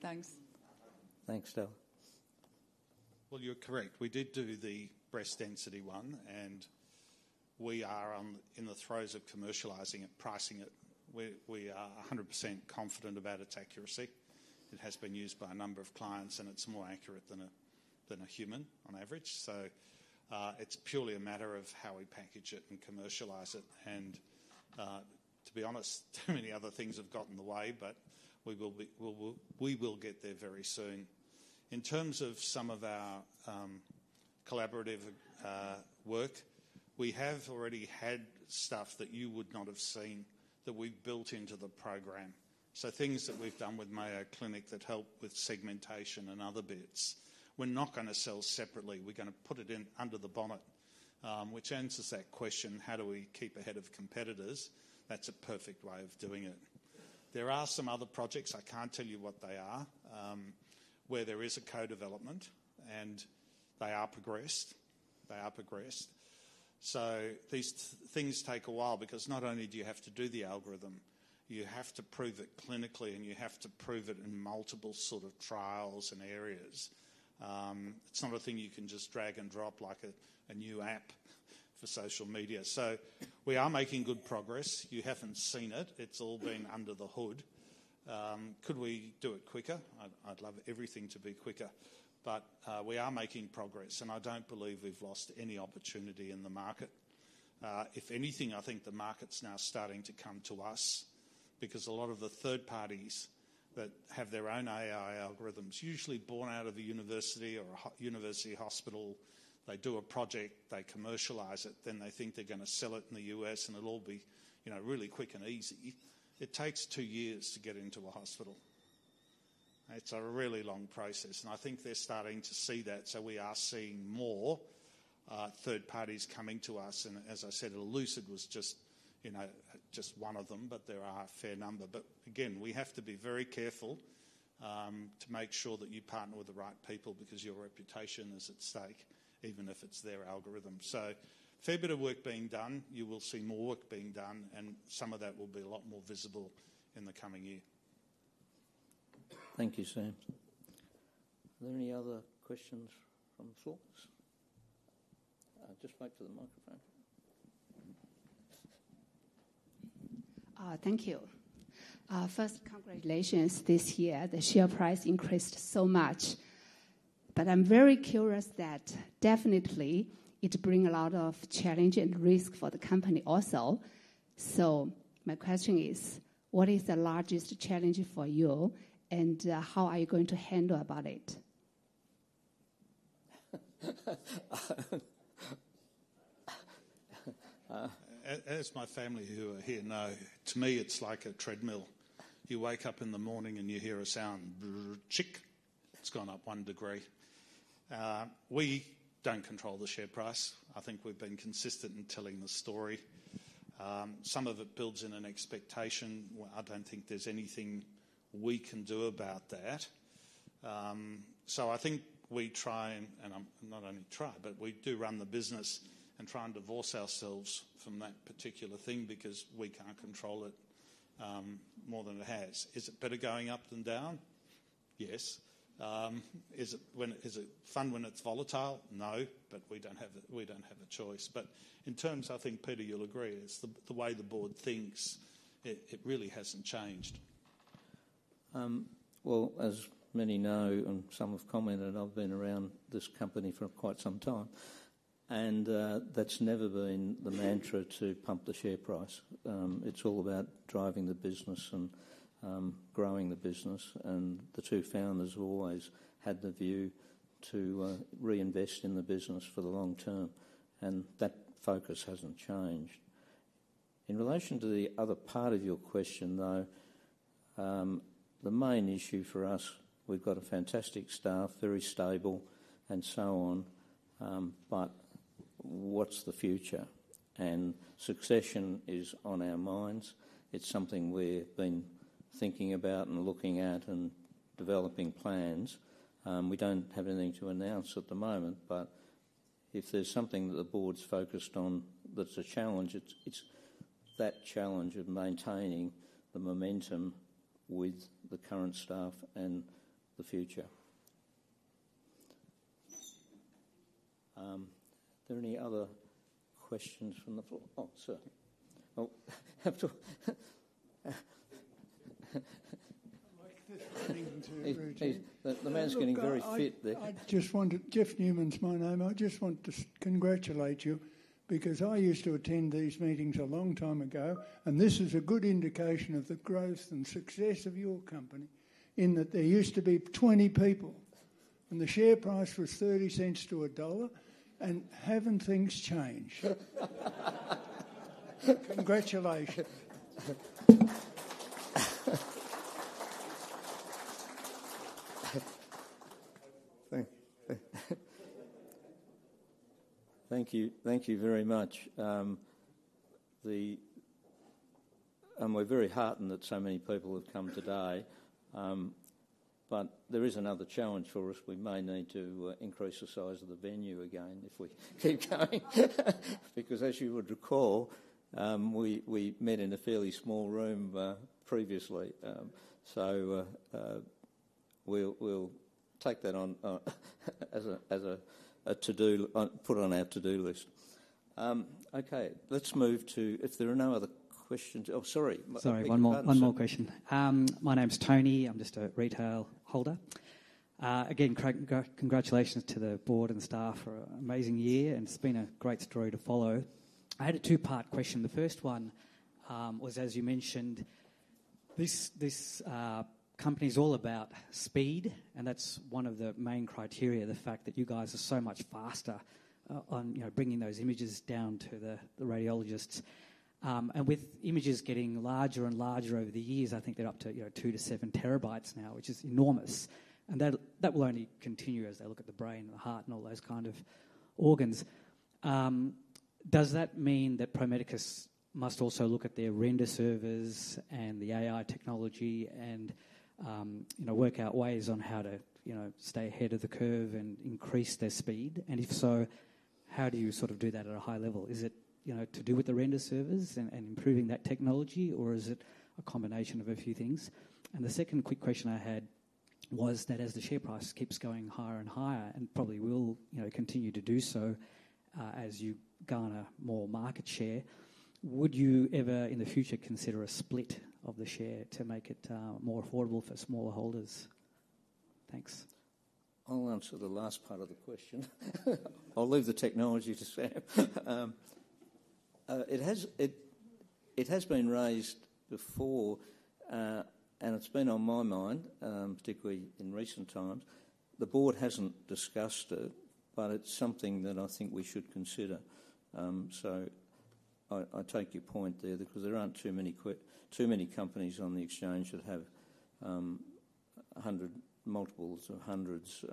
Thanks. Thanks, Stella. Well, you're correct. We did do the breast density one, and we are in the throes of commercializing it, pricing it. We are 100% confident about its accuracy. It has been used by a number of clients, and it's more accurate than a human on average. So it's purely a matter of how we package it and commercialize it. And to be honest, too many other things have gotten in the way, but we will get there very soon. In terms of some of our collaborative work, we have already had stuff that you would not have seen that we've built into the program. So things that we've done with Mayo Clinic that help with segmentation and other bits, we're not going to sell separately. We're going to put it under the bonnet, which answers that question, how do we keep ahead of competitors? That's a perfect way of doing it. There are some other projects. I can't tell you what they are, where there is a co-development, and they are progressed. They are progressed. So these things take a while because not only do you have to do the algorithm, you have to prove it clinically, and you have to prove it in multiple sort of trials and areas. It's not a thing you can just drag and drop like a new app for social media. So we are making good progress. You haven't seen it. It's all been under the hood. Could we do it quicker? I'd love everything to be quicker. But we are making progress, and I don't believe we've lost any opportunity in the market. If anything, I think the market's now starting to come to us because a lot of the third parties that have their own AI algorithms, usually born out of a university or a university hospital, they do a project, they commercialize it, then they think they're going to sell it in the U.S., and it'll all be really quick and easy. It takes two years to get into a hospital. It's a really long process. And I think they're starting to see that. So we are seeing more third parties coming to us. And as I said, Elucid was just one of them, but there are a fair number. But again, we have to be very careful to make sure that you partner with the right people because your reputation is at stake, even if it's their algorithm. So fair bit of work being done. You will see more work being done, and some of that will be a lot more visible in the coming year. Thank you, Sam. Are there any other questions from the floor? Just wait for the microphone. Thank you. First, congratulations this year. The share price increased so much. But I'm very curious that definitely it brings a lot of challenge and risk for the company also. So my question is, what is the largest challenge for you, and how are you going to handle about it? As my family who are here know, to me, it's like a treadmill. You wake up in the morning and you hear a sound, chick, it's gone up one degree. We don't control the share price. I think we've been consistent in telling the story. Some of it builds in an expectation. I don't think there's anything we can do about that. So I think we try, and not only try, but we do run the business and try and divorce ourselves from that particular thing because we can't control it more than it has. Is it better going up than down? Yes. Is it fun when it's volatile? No, but we don't have a choice. But in terms, I think, Peter, you'll agree, it's the way the board thinks. It really hasn't changed. Well, as many know, and some have commented, I've been around this company for quite some time. And that's never been the mantra to pump the share price. It's all about driving the business and growing the business. And the two founders have always had the view to reinvest in the business for the long term. And that focus hasn't changed. In relation to the other part of your question, though, the main issue for us, we've got a fantastic staff, very stable, and so on. But what's the future and succession is on our minds. It's something we've been thinking about and looking at and developing plans. We don't have anything to announce at the moment, but if there's something that the board's focused on that's a challenge, it's that challenge of maintaining the momentum with the current staff and the future. Are there any other questions from the floor? Oh, sorry. The man's getting very fit there. I just wanted Jeff Newman is my name. I just want to congratulate you because I used to attend these meetings a long time ago, and this is a good indication of the growth and success of your company in that there used to be 20 people, and the share price was 0.30-1 dollar, and haven't things changed? Congratulations. Thank you. Thank you very much. And we're very heartened that so many people have come today. But there is another challenge for us. We may need to increase the size of the venue again if we keep going. Because as you would recall, we met in a fairly small room previously. So we'll take that on as a to-do, put on our to-do list. Okay, let's move to if there are no other questions. Oh, sorry. Sorry, one more question. My name's Tony. I'm just a retail holder. Again, congratulations to the board and staff for an amazing year, and it's been a great story to follow. I had a two-part question. The first one was, as you mentioned, this company is all about speed, and that's one of the main criteria, the fact that you guys are so much faster on bringing those images down to the radiologists. And with images getting larger and larger over the years, I think they're up to two to seven terabytes now, which is enormous. And that will only continue as they look at the brain and the heart and all those kind of organs. Does that mean that Pro Medicus must also look at their render servers and the AI technology and work out ways on how to stay ahead of the curve and increase their speed? And if so, how do you sort of do that at a high level? Is it to do with the render servers and improving that technology, or is it a combination of a few things? And the second quick question I had was that as the share price keeps going higher and higher, and probably will continue to do so as you garner more market share, would you ever in the future consider a split of the share to make it more affordable for smaller holders? Thanks. I'll answer the last part of the question. I'll leave the technology to Sam. It has been raised before, and it's been on my mind, particularly in recent times. The board hasn't discussed it, but it's something that I think we should consider. So I take your point there because there aren't too many companies on the exchange that have hundreds, multiples of hundreds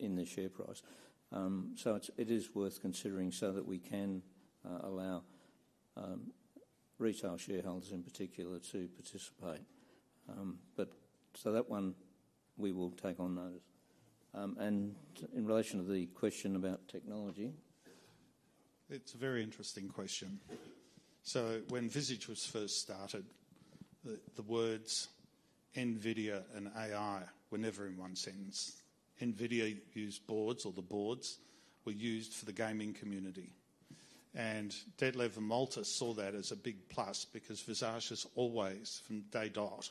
in their share price. So it is worth considering so that we can allow retail shareholders in particular to participate. But so that one, we will take on notice. And in relation to the question about technology, it's a very interesting question. So when Visage was first started, the words NVIDIA and AI were never in one sentence. NVIDIA used boards, or the boards were used for the gaming community. And Detlef and Malte saw that as a big plus because Visage's always, from day dot,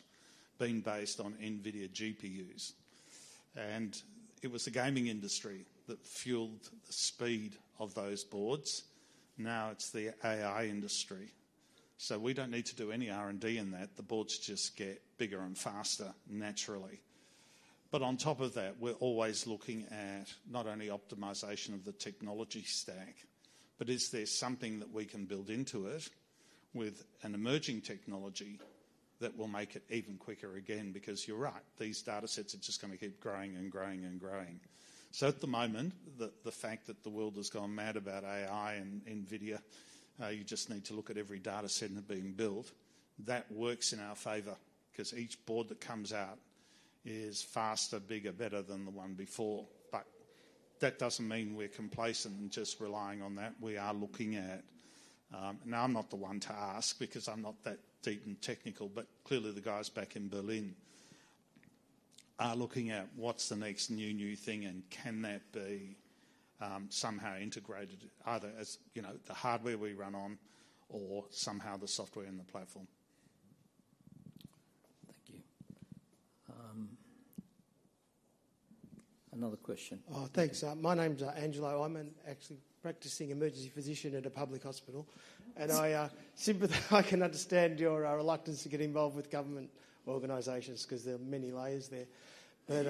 been based on NVIDIA GPUs. And it was the gaming industry that fueled the speed of those boards. Now it's the AI industry. So we don't need to do any R&D in that. The boards just get bigger and faster naturally. But on top of that, we're always looking at not only optimization of the technology stack, but is there something that we can build into it with an emerging technology that will make it even quicker again? Because you're right, these data sets are just going to keep growing and growing and growing. So at the moment, the fact that the world has gone mad about AI and NVIDIA, you just need to look at every data set that's being built, that works in our favor because each board that comes out is faster, bigger, better than the one before. But that doesn't mean we're complacent and just relying on that. We are looking at, and I'm not the one to ask because I'm not that deep and technical, but clearly the guys back in Berlin are looking at what's the next new, new thing, and can that be somehow integrated either as the hardware we run on or somehow the software and the platform? Thank you. Another question. Oh, thanks. My name's Angelo Oyman. Actually, practicing emergency physician at a public hospital. And I can understand your reluctance to get involved with government organizations because there are many layers there. But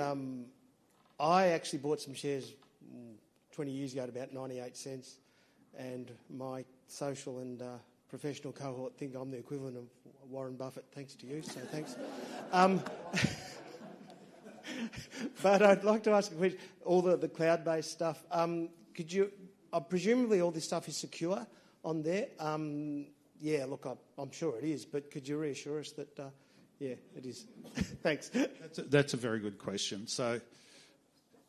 I actually bought some shares 20 years ago at about 0.98, and my social and professional cohort think I'm the equivalent of Warren Buffett, thanks to you. So thanks. But I'd like to ask a question, all the cloud-based stuff. Presumably, all this stuff is secure on there. Yeah, look, I'm sure it is, but could you reassure us that, yeah, it is? Thanks. That's a very good question. So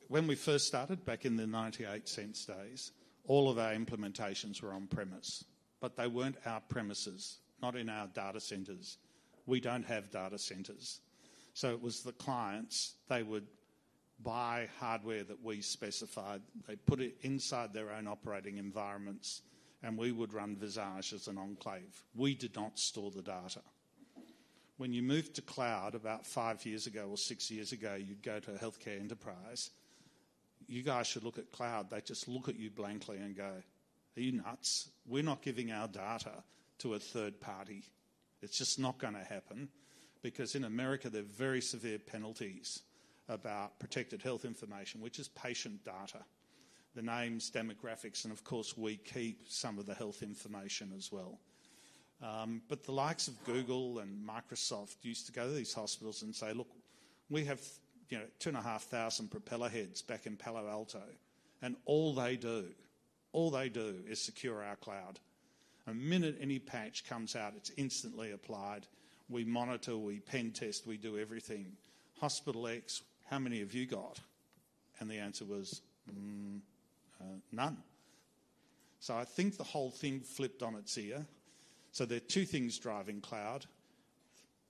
when we first started back in the 98 cents days, all of our implementations were on-premises, but they weren't our premises, not in our data centers. We don't have data centers. So it was the clients. They would buy hardware that we specified. They put it inside their own operating environments, and we would run Visage as an enclave. We did not store the data. When you moved to cloud about five years ago or six years ago, you'd go to a healthcare enterprise. You guys should look at cloud. They just look at you blankly and go, "Are you nuts? We're not giving our data to a third party." It's just not going to happen because in America, there are very severe penalties about protected health information, which is patient data, the names, demographics, and of course, we keep some of the health information as well. But the likes of Google and Microsoft used to go to these hospitals and say, "Look, we have two and a half thousand propeller heads back in Palo Alto." And all they do, all they do is secure our cloud. The minute any patch comes out, it's instantly applied. We monitor, we pen test, we do everything. Hospital X, how many have you got? And the answer was, "None." So I think the whole thing flipped on its ear. So there are two things driving cloud.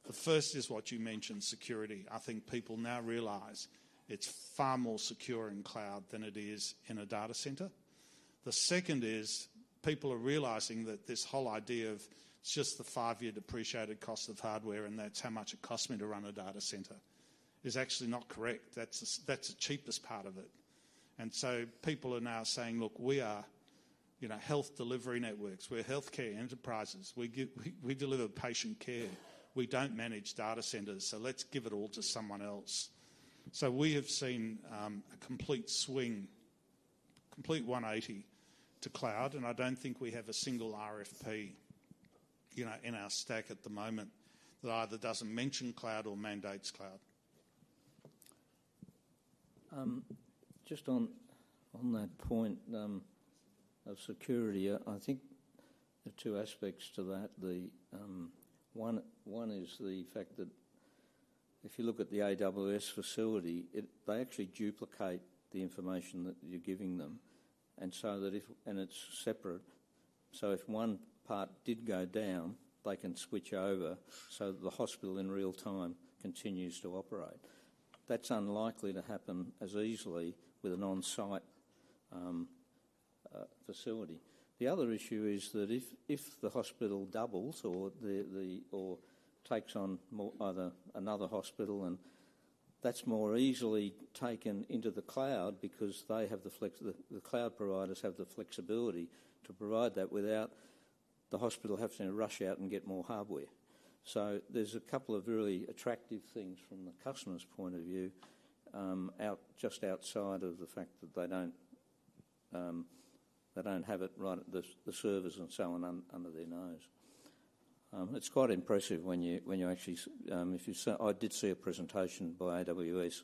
The first is what you mentioned, security. I think people now realize it's far more secure in cloud than it is in a data center. The second is people are realizing that this whole idea of just the five-year depreciated cost of hardware, and that's how much it costs me to run a data center, is actually not correct. That's the cheapest part of it. And so people are now saying, "Look, we are health delivery networks. We're healthcare enterprises. We deliver patient care. We don't manage data centers. So let's give it all to someone else." So we have seen a complete swing, complete 180 to cloud, and I don't think we have a single RFP in our stack at the moment that either doesn't mention cloud or mandates cloud. Just on that point of security, I think there are two aspects to that. One is the fact that if you look at the AWS facility, they actually duplicate the information that you're giving them, and it's separate, so if one part did go down, they can switch over so that the hospital in real time continues to operate. That's unlikely to happen as easily with an on-site facility. The other issue is that if the hospital doubles or takes on either another hospital, that's more easily taken into the cloud because the cloud providers have the flexibility to provide that without the hospital having to rush out and get more hardware, so there's a couple of really attractive things from the customer's point of view just outside of the fact that they don't have it right at the servers and so on under their nose. It's quite impressive when you actually, I did see a presentation by AWS,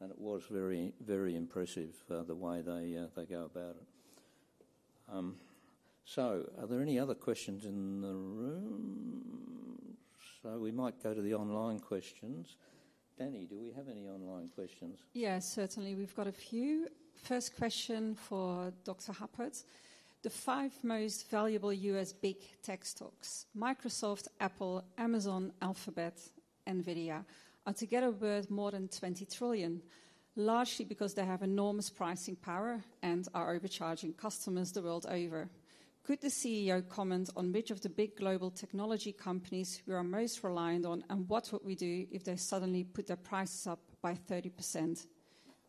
and it was very impressive the way they go about it. So are there any other questions in the room? So we might go to the online questions. Danny, do we have any online questions? Yes, certainly. We've got a few. First question for Dr. Hupert. The five most valuable US big tech stocks, Microsoft, Apple, Amazon, Alphabet, NVIDIA, are together worth more than $20 trillion, largely because they have enormous pricing power and are overcharging customers the world over. Could the CEO comment on which of the big global technology companies we are most reliant on and what would we do if they suddenly put their prices up by 30%?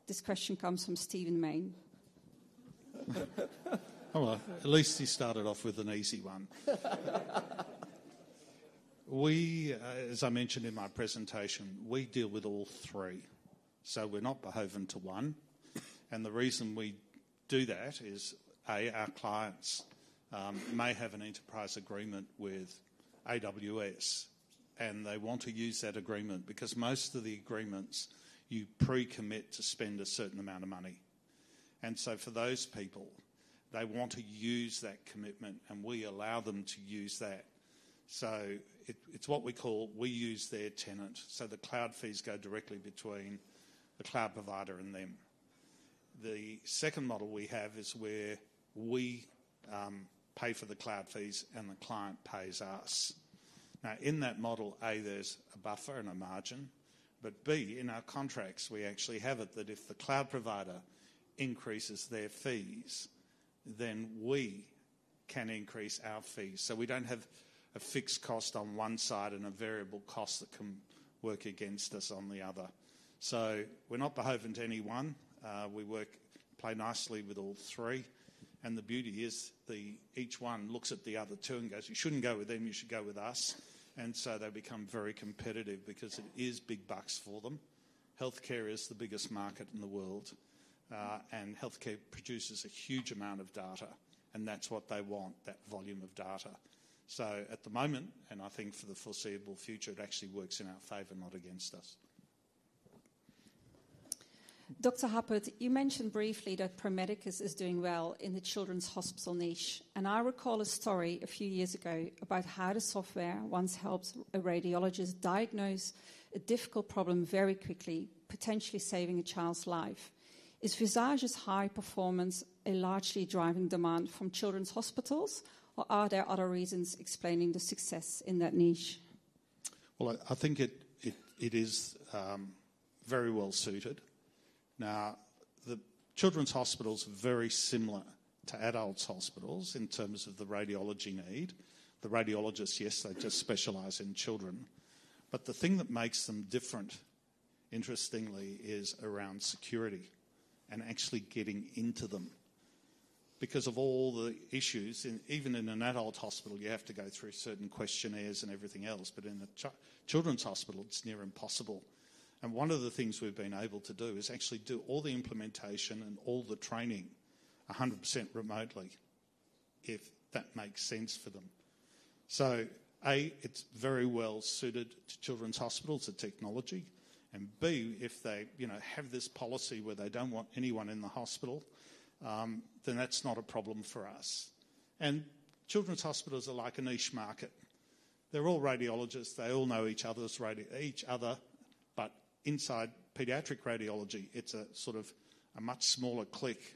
This question comes from Stephen Mayne. Well, at least he started off with an easy one. As I mentioned in my presentation, we deal with all three. So we're not beholden to one. And the reason we do that is, A, our clients may have an enterprise agreement with AWS, and they want to use that agreement because most of the agreements, you pre-commit to spend a certain amount of money. And so for those people, they want to use that commitment, and we allow them to use that. So it's what we call. We use their tenant. So the cloud fees go directly between the cloud provider and them. The second model we have is where we pay for the cloud fees and the client pays us. Now, in that model, A, there's a buffer and a margin, but B, in our contracts, we actually have it that if the cloud provider increases their fees, then we can increase our fees. So we don't have a fixed cost on one side and a variable cost that can work against us on the other. So we're not behaving to anyone. We play nicely with all three. And the beauty is each one looks at the other two and goes, "You shouldn't go with them. You should go with us." And so they become very competitive because it is big bucks for them. Healthcare is the biggest market in the world, and healthcare produces a huge amount of data, and that's what they want, that volume of data. So at the moment, and I think for the foreseeable future, it actually works in our favor, not against us. Dr. Hupert, you mentioned briefly that Pro Medicus is doing well in the children's hospital niche. And I recall a story a few years ago about how the software once helped a radiologist diagnose a difficult problem very quickly, potentially saving a child's life. Is Visage's high performance a largely driving demand from children's hospitals, or are there other reasons explaining the success in that niche? Well, I think it is very well suited. Now, the children's hospitals are very similar to adults' hospitals in terms of the radiology need. The radiologists, yes, they just specialize in children. But the thing that makes them different, interestingly, is around security and actually getting into them. Because of all the issues, even in an adult hospital, you have to go through certain questionnaires and everything else, but in a children's hospital, it's near impossible. One of the things we've been able to do is actually do all the implementation and all the training 100% remotely if that makes sense for them. So, A, it's very well suited to children's hospitals and technology, and B, if they have this policy where they don't want anyone in the hospital, then that's not a problem for us. Children's hospitals are like a niche market. They're all radiologists. They all know each other, but inside pediatric radiology, it's a sort of a much smaller clique.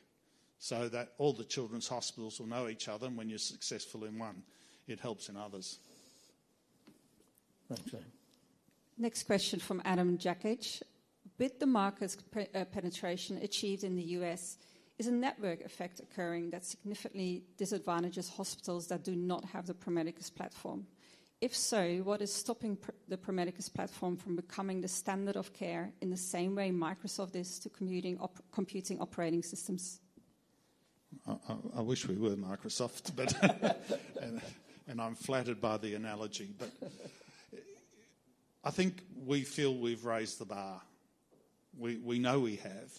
So that all the children's hospitals will know each other, and when you're successful in one, it helps in others. Thank you. Next question from Adam Jacka. With the market penetration achieved in the US, is a network effect occurring that significantly disadvantages hospitals that do not have the Pro Medicus platform? If so, what is stopping the Pro Medicus platform from becoming the standard of care in the same way Microsoft is to computing operating systems? I wish we were Microsoft, and I'm flattered by the analogy, but I think we feel we've raised the bar. We know we have,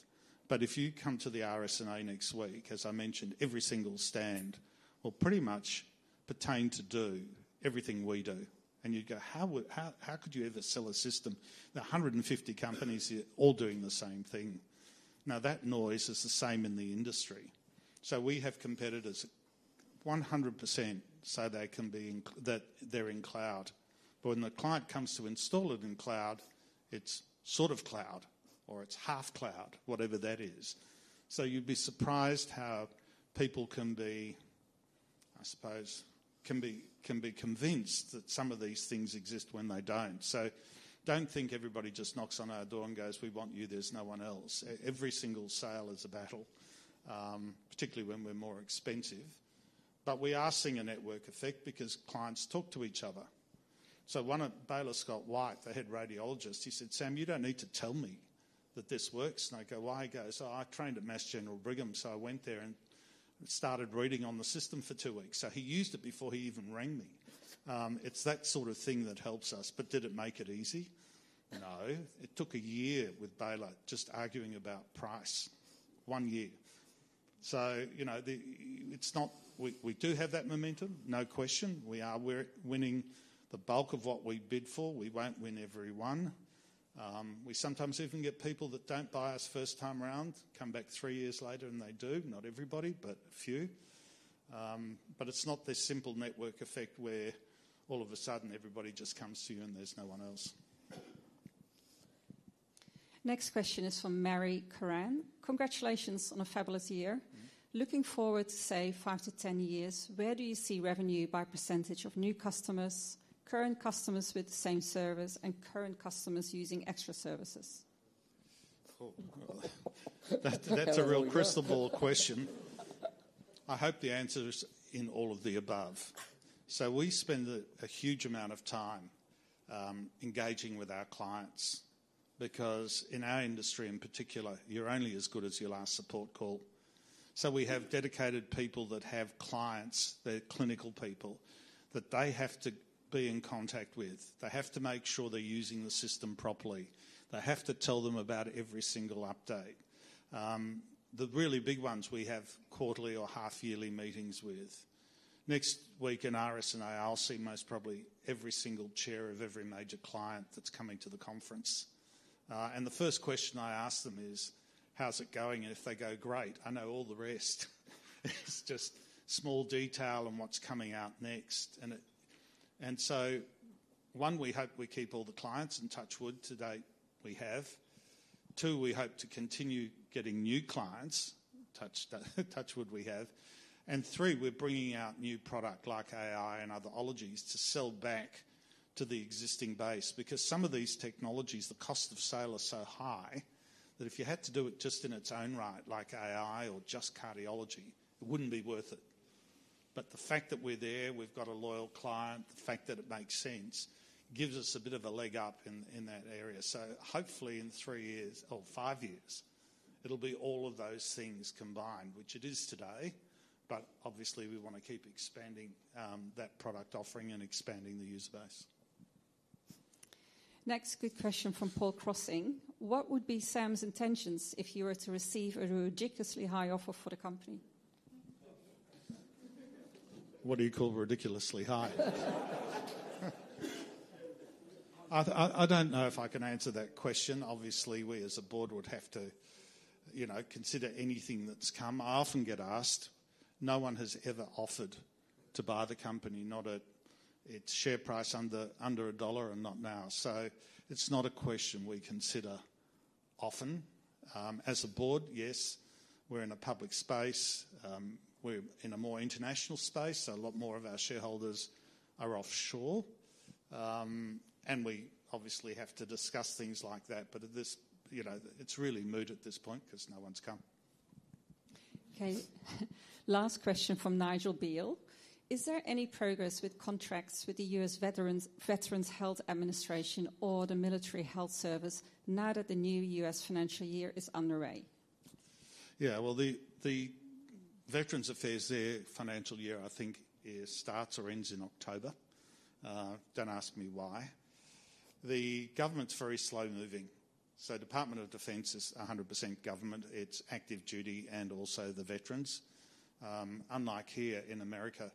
but if you come to the RSNA next week, as I mentioned, every single stand will pretty much pertain to do everything we do. And you'd go, "How could you ever sell a system?" The 150 companies are all doing the same thing. Now, that noise is the same in the industry. So we have competitors 100% say they can be that they're in cloud. But when the client comes to install it in cloud, it's sort of cloud or it's half cloud, whatever that is. You'd be surprised how people can be, I suppose, can be convinced that some of these things exist when they don't. Don't think everybody just knocks on our door and goes, "We want you. There's no one else." Every single sale is a battle, particularly when we're more expensive. We are seeing a network effect because clients talk to each other. One at Baylor Scott & White, they had radiologists. He said, "Sam, you don't need to tell me that this works." And I go, "Why?" He goes, "I trained at Mass General Brigham, so I went there and started reading on the system for two weeks." He used it before he even rang me. It's that sort of thing that helps us. Did it make it easy? No. It took a year with Baylor just arguing about price. One year. So we do have that momentum, no question. We are winning the bulk of what we bid for. We won't win every one. We sometimes even get people that don't buy us first time around, come back three years later and they do. Not everybody, but a few. But it's not this simple network effect where all of a sudden everybody just comes to you and there's no one else. Next question is from Mary Karen. "Congratulations on a fabulous year. Looking forward to, say, five to 10 years, where do you see revenue by percentage of new customers, current customers with the same service, and current customers using extra services?" That's a real crystal ball question. I hope the answer is in all of the above. So we spend a huge amount of time engaging with our clients because in our industry in particular, you're only as good as your last support call. So we have dedicated people that have clients, they're clinical people that they have to be in contact with. They have to make sure they're using the system properly. They have to tell them about every single update. The really big ones we have quarterly or half-yearly meetings with. Next week in RSNA, I'll see most probably every single chair of every major client that's coming to the conference. And the first question I ask them is, "How's it going?" And if they go, "Great," I know all the rest. It's just small detail and what's coming out next. And so one, we hope we keep all the clients in touch with today. We have. Two, we hope to continue getting new clients. Touch wood, we have. And three, we're bringing out new product like AI and otherologies to sell back to the existing base because some of these technologies, the cost of sale is so high that if you had to do it just in its own right, like AI or just cardiology, it wouldn't be worth it. But the fact that we're there, we've got a loyal client, the fact that it makes sense gives us a bit of a leg up in that area. So hopefully in three years or five years, it'll be all of those things combined, which it is today, but obviously we want to keep expanding that product offering and expanding the user base. Next quick question from Paul Crossing. "What would be Sam's intentions if he were to receive a ridiculously high offer for the company?" What do you call rid.iculously high? I don't know if I can answer that question. Obviously, we as a board would have to consider anything that's come. I often get asked. No one has ever offered to buy the company, not at its share price under a dollar and not now. So it's not a question we consider often. As a board, yes, we're in a public space. We're in a more international space, so a lot more of our shareholders are offshore. And we obviously have to discuss things like that, but it's really moot at this point because no one's come. Okay. Last question from Nigel Beale. "Is there any progress with contracts with the U.S. Veterans Health Administration or the Military Health Service now that the new U.S. financial year is underway?" Yeah, well, the Veterans Affairs, their financial year, I think, starts or ends in October. Don't ask me why. The government's very slow-moving, so the U.S. Department of Defense is 100% government. It's active duty and also the veterans. Unlike here in America,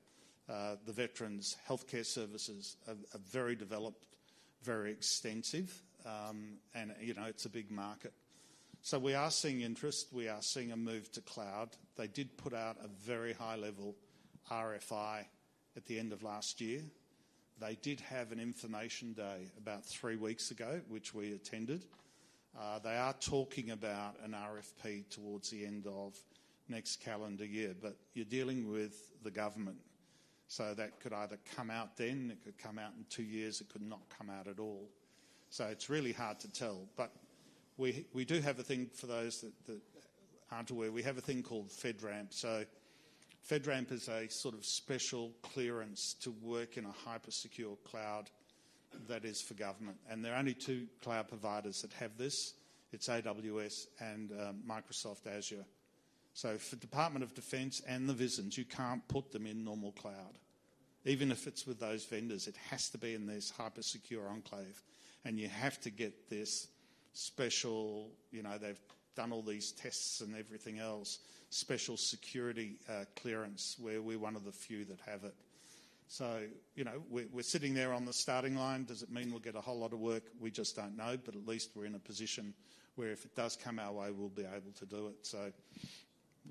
the veterans' healthcare services are very developed, very extensive, and it's a big market, so we are seeing interest. We are seeing a move to cloud. They did put out a very high-level RFI at the end of last year. They did have an information day about three weeks ago, which we attended. They are talking about an RFP towards the end of next calendar year, but you're dealing with the government, so that could either come out then, it could come out in two years, it could not come out at all. It's really hard to tell, but we do have a thing for those that aren't aware. We have a thing called FedRAMP. FedRAMP is a sort of special clearance to work in a hypersecure cloud that is for government. And there are only two cloud providers that have this. It's AWS and Microsoft Azure. So for Department of Defense and the VISNs, you can't put them in normal cloud. Even if it's with those vendors, it has to be in this hypersecure enclave. And you have to get this special, they've done all these tests and everything else, special security clearance where we're one of the few that have it. So we're sitting there on the starting line. Does it mean we'll get a whole lot of work? We just don't know, but at least we're in a position where if it does come our way, we'll be able to do it. So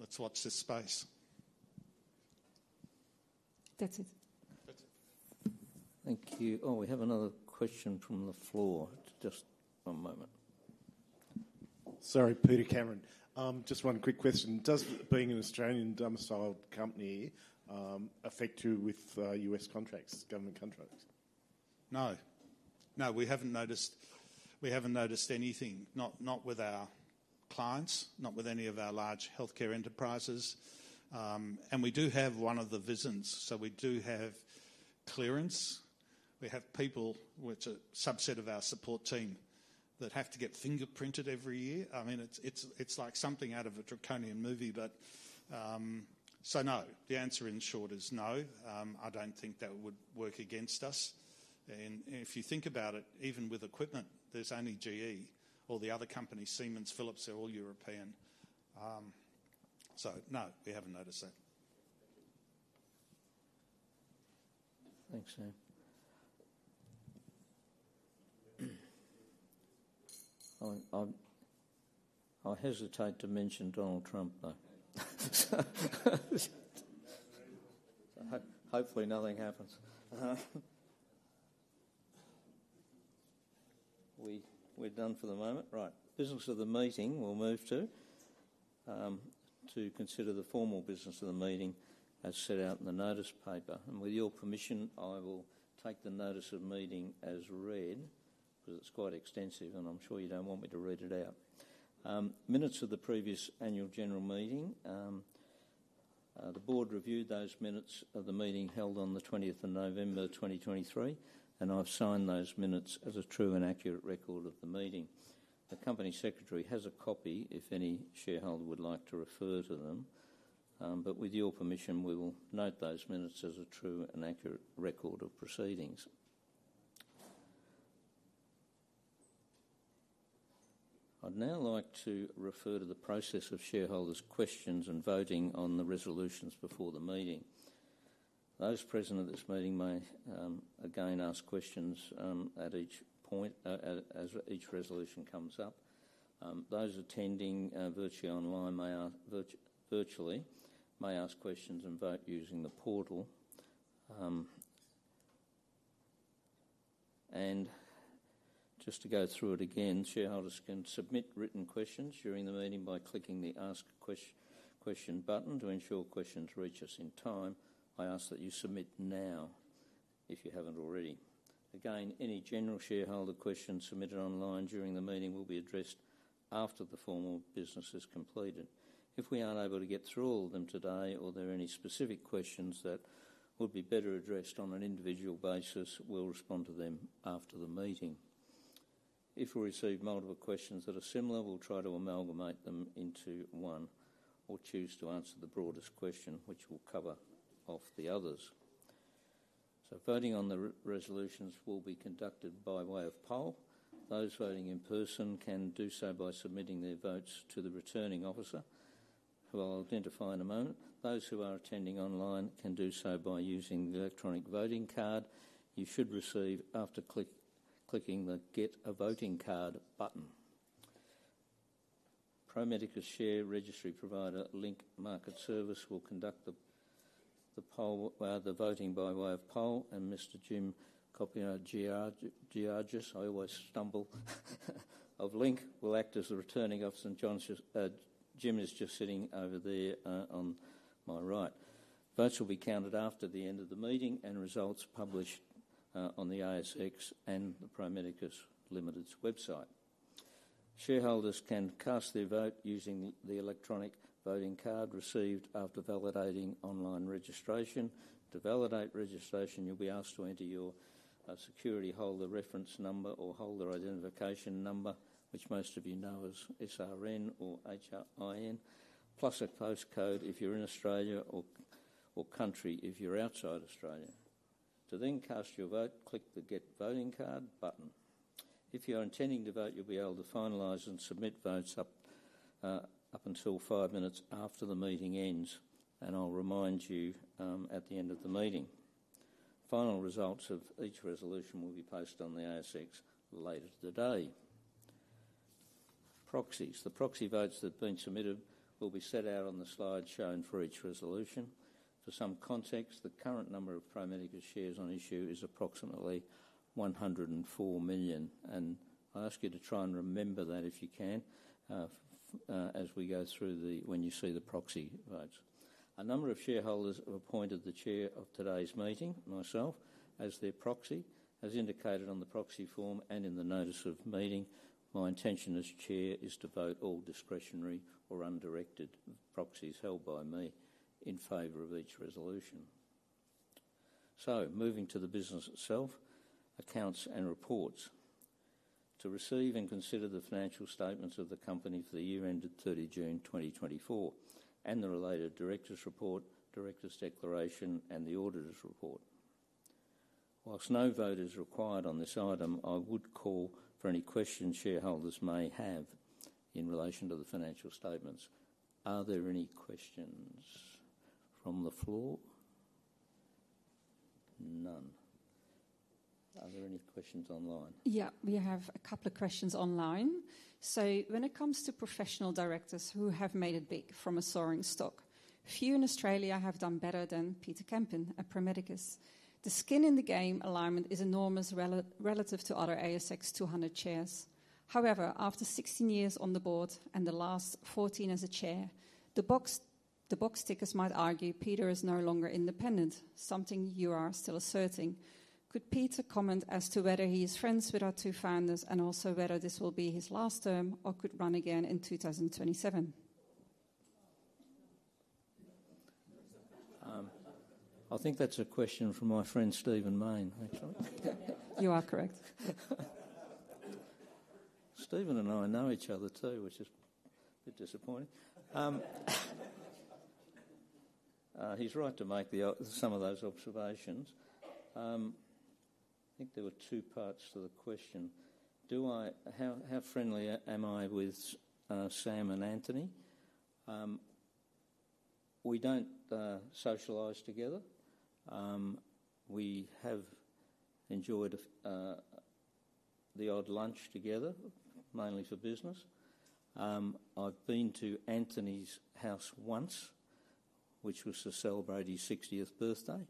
let's watch this space. That's it. That's it. Thank you. Oh, we have another question from the floor. Just one moment. Sorry, Peter Cameron. Just one quick question. Does being an Australian domiciled company affect you with US contracts, government contracts? No. No, we haven't noticed. We haven't noticed anything. Not with our clients, not with any of our large healthcare enterprises. And we do have one of the VISNs, so we do have clearance. We have people, which are a subset of our support team, that have to get fingerprinted every year. I mean, it's like something out of a draconian movie, but so no, the answer in short is no. I don't think that would work against us. And if you think about it, even with equipment, there's only GE. All the other companies, Siemens, Philips, they're all European. So no, we haven't noticed that. Thanks, Sam. I'll hesitate to mention Donald Trump, though. Hopefully nothing happens. We're done for the moment. Right. Business of the meeting. We'll move to consider the formal business of the meeting as set out in the notice paper, and with your permission, I will take the notice of meeting as read because it's quite extensive and I'm sure you don't want me to read it out. Minutes of the previous annual general meeting. The board reviewed those minutes of the meeting held on the 20th of November 2023, and I've signed those minutes as a true and accurate record of the meeting. The company secretary has a copy if any shareholder would like to refer to them, but with your permission, we will note those minutes as a true and accurate record of proceedings. I'd now like to refer to the process of shareholders' questions and voting on the resolutions before the meeting. Those present at this meeting may again ask questions at each point as each resolution comes up. Those attending virtually may ask questions and vote using the portal, and just to go through it again, shareholders can submit written questions during the meeting by clicking the ask question button to ensure questions reach us in time. I ask that you submit now if you haven't already. Again, any general shareholder questions submitted online during the meeting will be addressed after the formal business is completed. If we aren't able to get through all of them today or there are any specific questions that would be better addressed on an individual basis, we'll respond to them after the meeting. If we receive multiple questions that are similar, we'll try to amalgamate them into one or choose to answer the broadest question, which will cover off the others. Voting on the resolutions will be conducted by way of poll. Those voting in person can do so by submitting their votes to the returning officer, who I'll identify in a moment. Those who are attending online can do so by using the electronic voting card you should receive after clicking the get a voting card button. Pro Medicus Share Registry Provider Link Market Services will conduct the voting by way of poll. And Mr. Jim Coppard from Link, I always stumble over Link, will act as the returning officer. Jim is just sitting over there on my right. Votes will be counted after the end of the meeting and results published on the ASX and the Pro Medicus Limited's website. Shareholders can cast their vote using the electronic voting card received after validating online registration. To validate registration, you'll be asked to enter your security holder reference number or holder identification number, which most of you know as SRN or HIN, plus a postcode if you're in Australia or country if you're outside Australia. To then cast your vote, click the get voting card button. If you're intending to vote, you'll be able to finalize and submit votes up until five minutes after the meeting ends, and I'll remind you at the end of the meeting. Final results of each resolution will be posted on the ASX later today. Proxies. The proxy votes that have been submitted will be set out on the slide shown for each resolution. For some context, the current number of Pro Medicus shares on issue is approximately 104 million. And I ask you to try and remember that if you can as we go through when you see the proxy votes. A number of shareholders have appointed the chair of today's meeting, myself, as their proxy. As indicated on the proxy form and in the notice of meeting, my intention as chair is to vote all discretionary or undirected proxies held by me in favor of each resolution. So moving to the business itself, accounts and reports. To receive and consider the financial statements of the company for the year ended 30 June 2024 and the related director's report, director's declaration, and the auditor's report. While no vote is required on this item, I would call for any questions shareholders may have in relation to the financial statements. Are there any questions from the floor? None. Are there any questions online? Yeah, we have a couple of questions online. When it comes to professional directors who have made it big from a soaring stock, few in Australia have done better than Peter Kempen at Pro Medicus. The skin-in-the-game alignment is enormous relative to other ASX 200 chairs. However, after 16 years on the board and the last 14 as a chair, the box tickers might argue Peter is no longer independent, something you are still asserting. Could Peter comment as to whether he is friends with our two founders and also whether this will be his last term or could run again in 2027? I think that's a question for my friend Stephen Mayne, actually. You are correct. Stephen and I know each other too, which is a bit disappointing. He's right to make some of those observations. I think there were two parts to the question. How friendly am I with Sam and Anthony? We don't socialize together. We have enjoyed the odd lunch together, mainly for business. I've been to Anthony's house once, which was to celebrate his 60th birthday,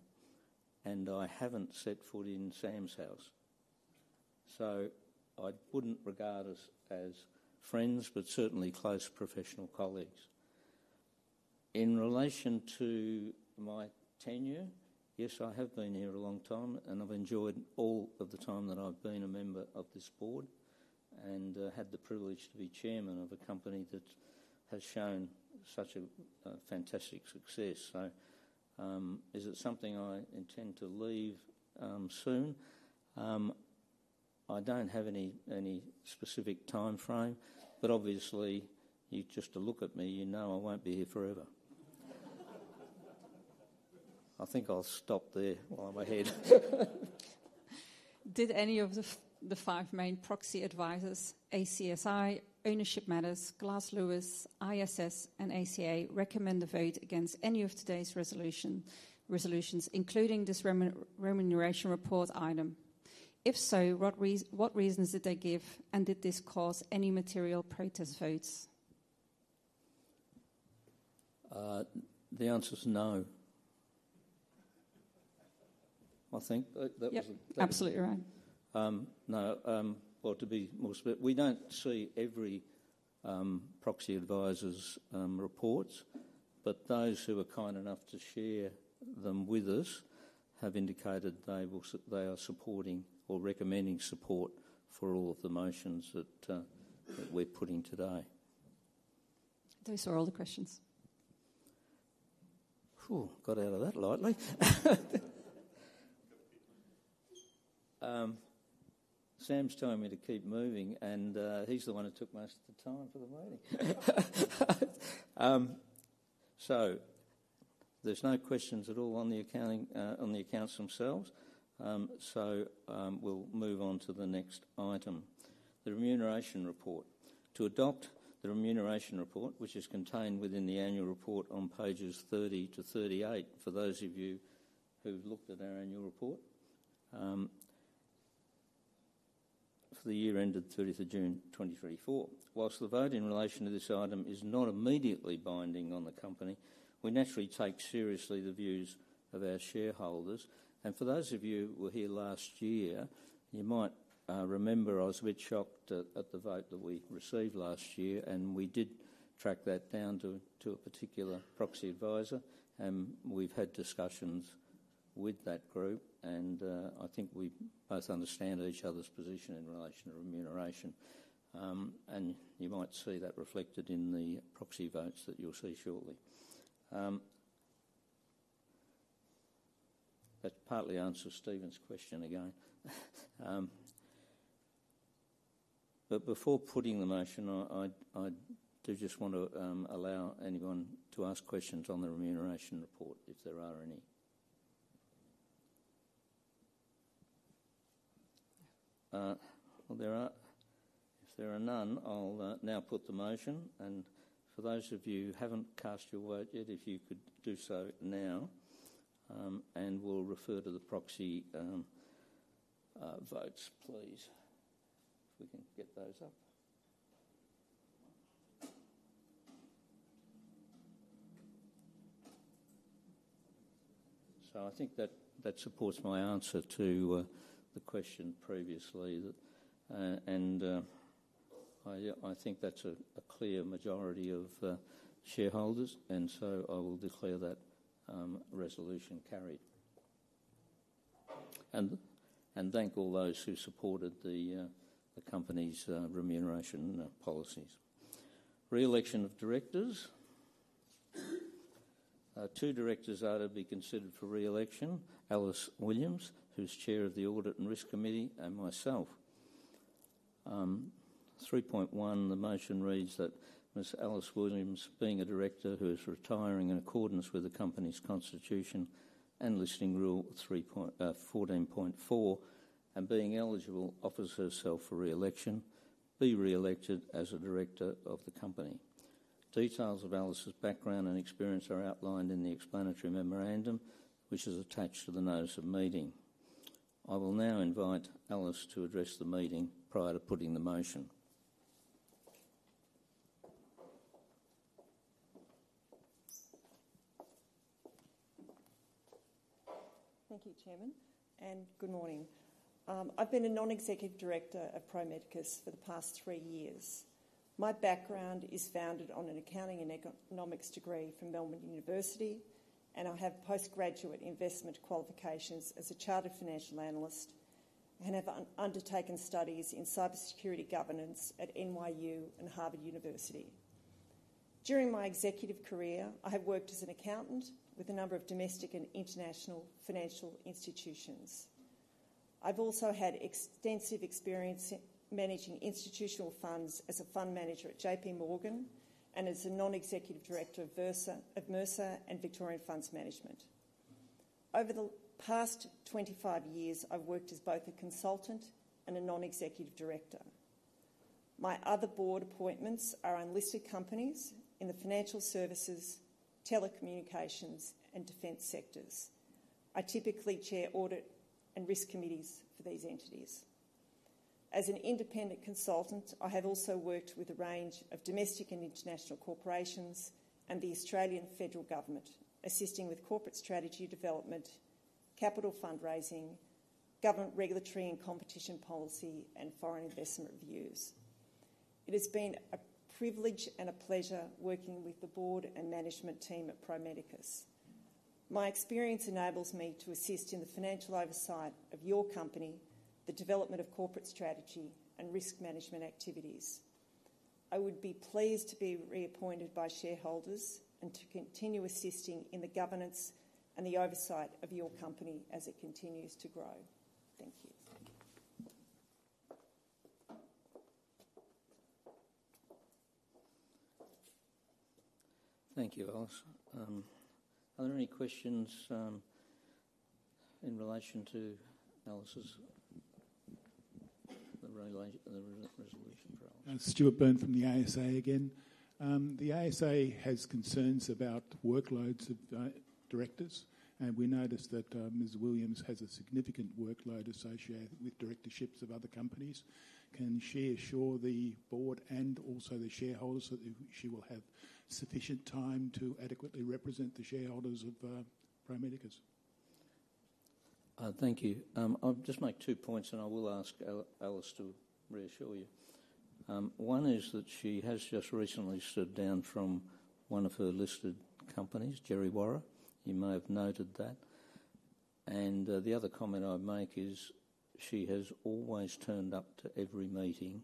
and I haven't set foot in Sam's house. So I wouldn't regard us as friends, but certainly close professional colleagues. In relation to my tenure, yes, I have been here a long time, and I've enjoyed all of the time that I've been a member of this board and had the privilege to be Chairman of a company that has shown such a fantastic success. So is it something I intend to leave soon? I don't have any specific timeframe, but obviously, just to look at me, you know I won't be here forever. I think I'll stop there while I'm ahead. Did any of the five main proxy advisors, ACSI, Ownership Matters, Glass Lewis, ISS, and ASA recommend the vote against any of today's resolutions, including this remuneration report item? If so, what reasons did they give, and did this cause any material protest votes? The answer is no. I think that was. Yeah, absolutely right. No. Well, to be more specific, we don't see every proxy advisor's reports, but those who are kind enough to share them with us have indicated they are supporting or recommending support for all of the motions that we're putting today. Those are all the questions. Got out of that lightly. Sam's telling me to keep moving, and he's the one who took most of the time for the meeting. So there's no questions at all on the accounts themselves. So we'll move on to the next item, the remuneration report. To adopt the remuneration report, which is contained within the annual report on pages 30-38, for those of you who've looked at our annual report for the year ended 30th of June 2024. While the vote in relation to this item is not immediately binding on the company, we naturally take seriously the views of our shareholders. And for those of you who were here last year, you might remember I was a bit shocked at the vote that we received last year, and we did track that down to a particular proxy advisor, and we've had discussions with that group, and I think we both understand each other's position in relation to remuneration. And you might see that reflected in the proxy votes that you'll see shortly. That partly answers Stephen's question again. But before putting the motion, I do just want to allow anyone to ask questions on the remuneration report, if there are any. If there are none, I'll now put the motion. And for those of you who haven't cast your vote yet, if you could do so now, and we'll refer to the proxy votes, please, if we can get those up. So I think that supports my answer to the question previously. And I think that's a clear majority of shareholders, and so I will declare that resolution carried. And thank all those who supported the company's remuneration policies. Re-election of directors. Two directors are to be considered for re-election, Alice Williams, who's Chair of the Audit and Risk Committee, and myself. 3.1, the motion reads that Ms. Alice Williams, being a director who is retiring in accordance with the company's constitution and listing rule 14.4, and being eligible, offers herself for re-election to be re-elected as a director of the company. Details of Alice's background and experience are outlined in the explanatory memorandum, which is attached to the notice of meeting. I will now invite Alice to address the meeting prior to putting the motion. Thank you, Chairman, and good morning. I've been a non-executive director of Pro Medicus for the past three years. My background is founded on an accounting and economics degree from University of Melbourne, and I have postgraduate investment qualifications as a chartered financial analyst and have undertaken studies in cybersecurity governance at NYU and Harvard University. During my executive career, I have worked as an accountant with a number of domestic and international financial institutions. I've also had extensive experience managing institutional funds as a fund manager at JPMorgan and as a non-executive director of Mercer and Victorian Funds Management. Over the past 25 years, I've worked as both a consultant and a non-executive director. My other board appointments are on listed companies in the financial services, telecommunications, and defense sectors. I typically chair audit and risk committees for these entities. As an independent consultant, I have also worked with a range of domestic and international corporations and the Australian Federal Government, assisting with corporate strategy development, capital fundraising, government regulatory and competition policy, and foreign investment reviews. It has been a privilege and a pleasure working with the board and management team at Pro Medicus. My experience enables me to assist in the financial oversight of your company, the development of corporate strategy, and risk management activities. I would be pleased to be reappointed by shareholders and to continue assisting in the governance and the oversight of your company as it continues to grow. Thank you. Thank you, Alice. Are there any questions in relation to Alice's resolution for Alice? Stuart Byrne from the ASA again. The ASA has concerns about workloads of directors, and we noticed that Ms. Williams has a significant workload associated with directorships of other companies. Can she assure the board and also the shareholders that she will have sufficient time to adequately represent the shareholders of Pro Medicus? Thank you. I'll just make two points, and I will ask Alice to reassure you. One is that she has just recently stood down from one of her listed companies, Djerriwarrh. You may have noted that. The other comment I'd make is she has always turned up to every meeting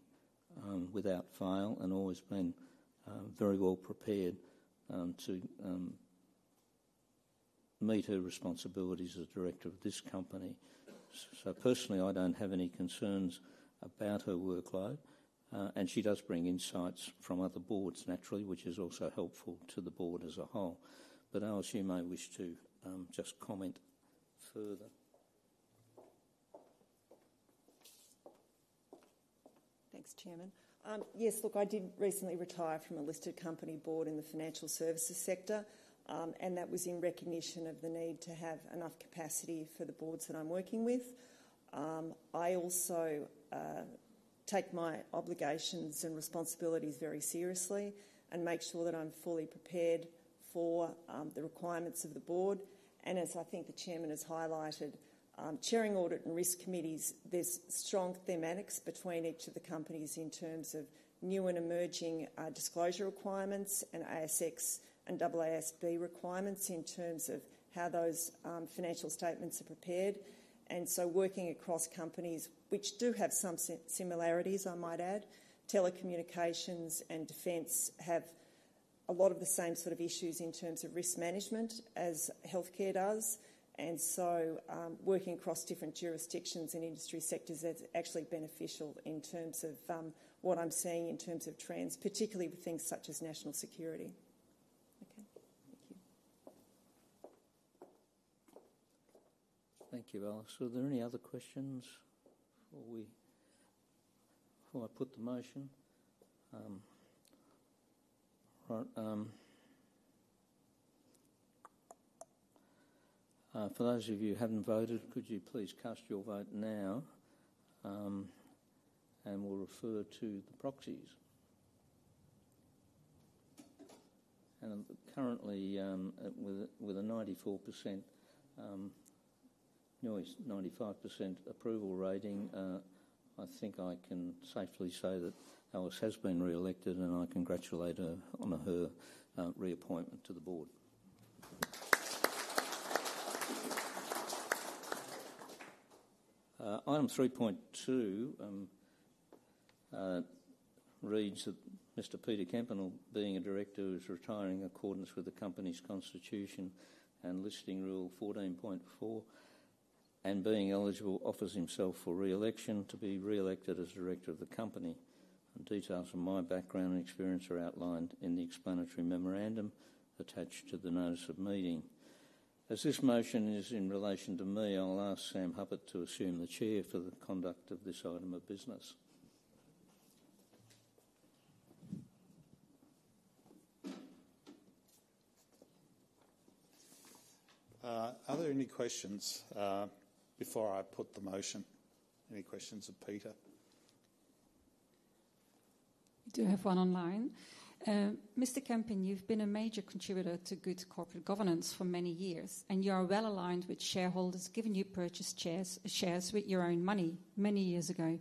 without fail and always been very well prepared to meet her responsibilities as director of this company. So personally, I don't have any concerns about her workload, and she does bring insights from other boards, naturally, which is also helpful to the board as a whole. But Alice, you may wish to just comment further. Thanks, Chairman. Yes, look, I did recently retire from a listed company board in the financial services sector, and that was in recognition of the need to have enough capacity for the boards that I'm working with. I also take my obligations and responsibilities very seriously and make sure that I'm fully prepared for the requirements of the board. As I think the Chairman has highlighted, chairing audit and risk committees, there's strong thematics between each of the companies in terms of new and emerging disclosure requirements and ASX and AASB requirements in terms of how those financial statements are prepared. And so working across companies, which do have some similarities, I might add, telecommunications and defense have a lot of the same sort of issues in terms of risk management as healthcare does. And so working across different jurisdictions and industry sectors is actually beneficial in terms of what I'm seeing in terms of trends, particularly with things such as national security. Okay. Thank you. Thank you, Alice. Are there any other questions before I put the motion? Right. For those of you who haven't voted, could you please cast your vote now, and we'll refer to the proxies? And currently, with a 94% approval rating, I think I can safely say that Alice has been re-elected, and I congratulate her on her reappointment to the board. Item 3.2 reads that Mr. Peter Kempen, being a director who is retiring in accordance with the company's constitution and listing rule 14.4, and being eligible, offers himself for re-election to be re-elected as director of the company. Details of my background and experience are outlined in the explanatory memorandum attached to the notice of meeting. As this motion is in relation to me, I'll ask Sam Hupert to assume the chair for the conduct of this item of business. Are there any questions before I put the motion? Any questions of Peter? We do have one online. Mr. Kempen, you've been a major contributor to good corporate governance for many years, and you are well aligned with shareholders, given you purchased shares with your own money many years ago.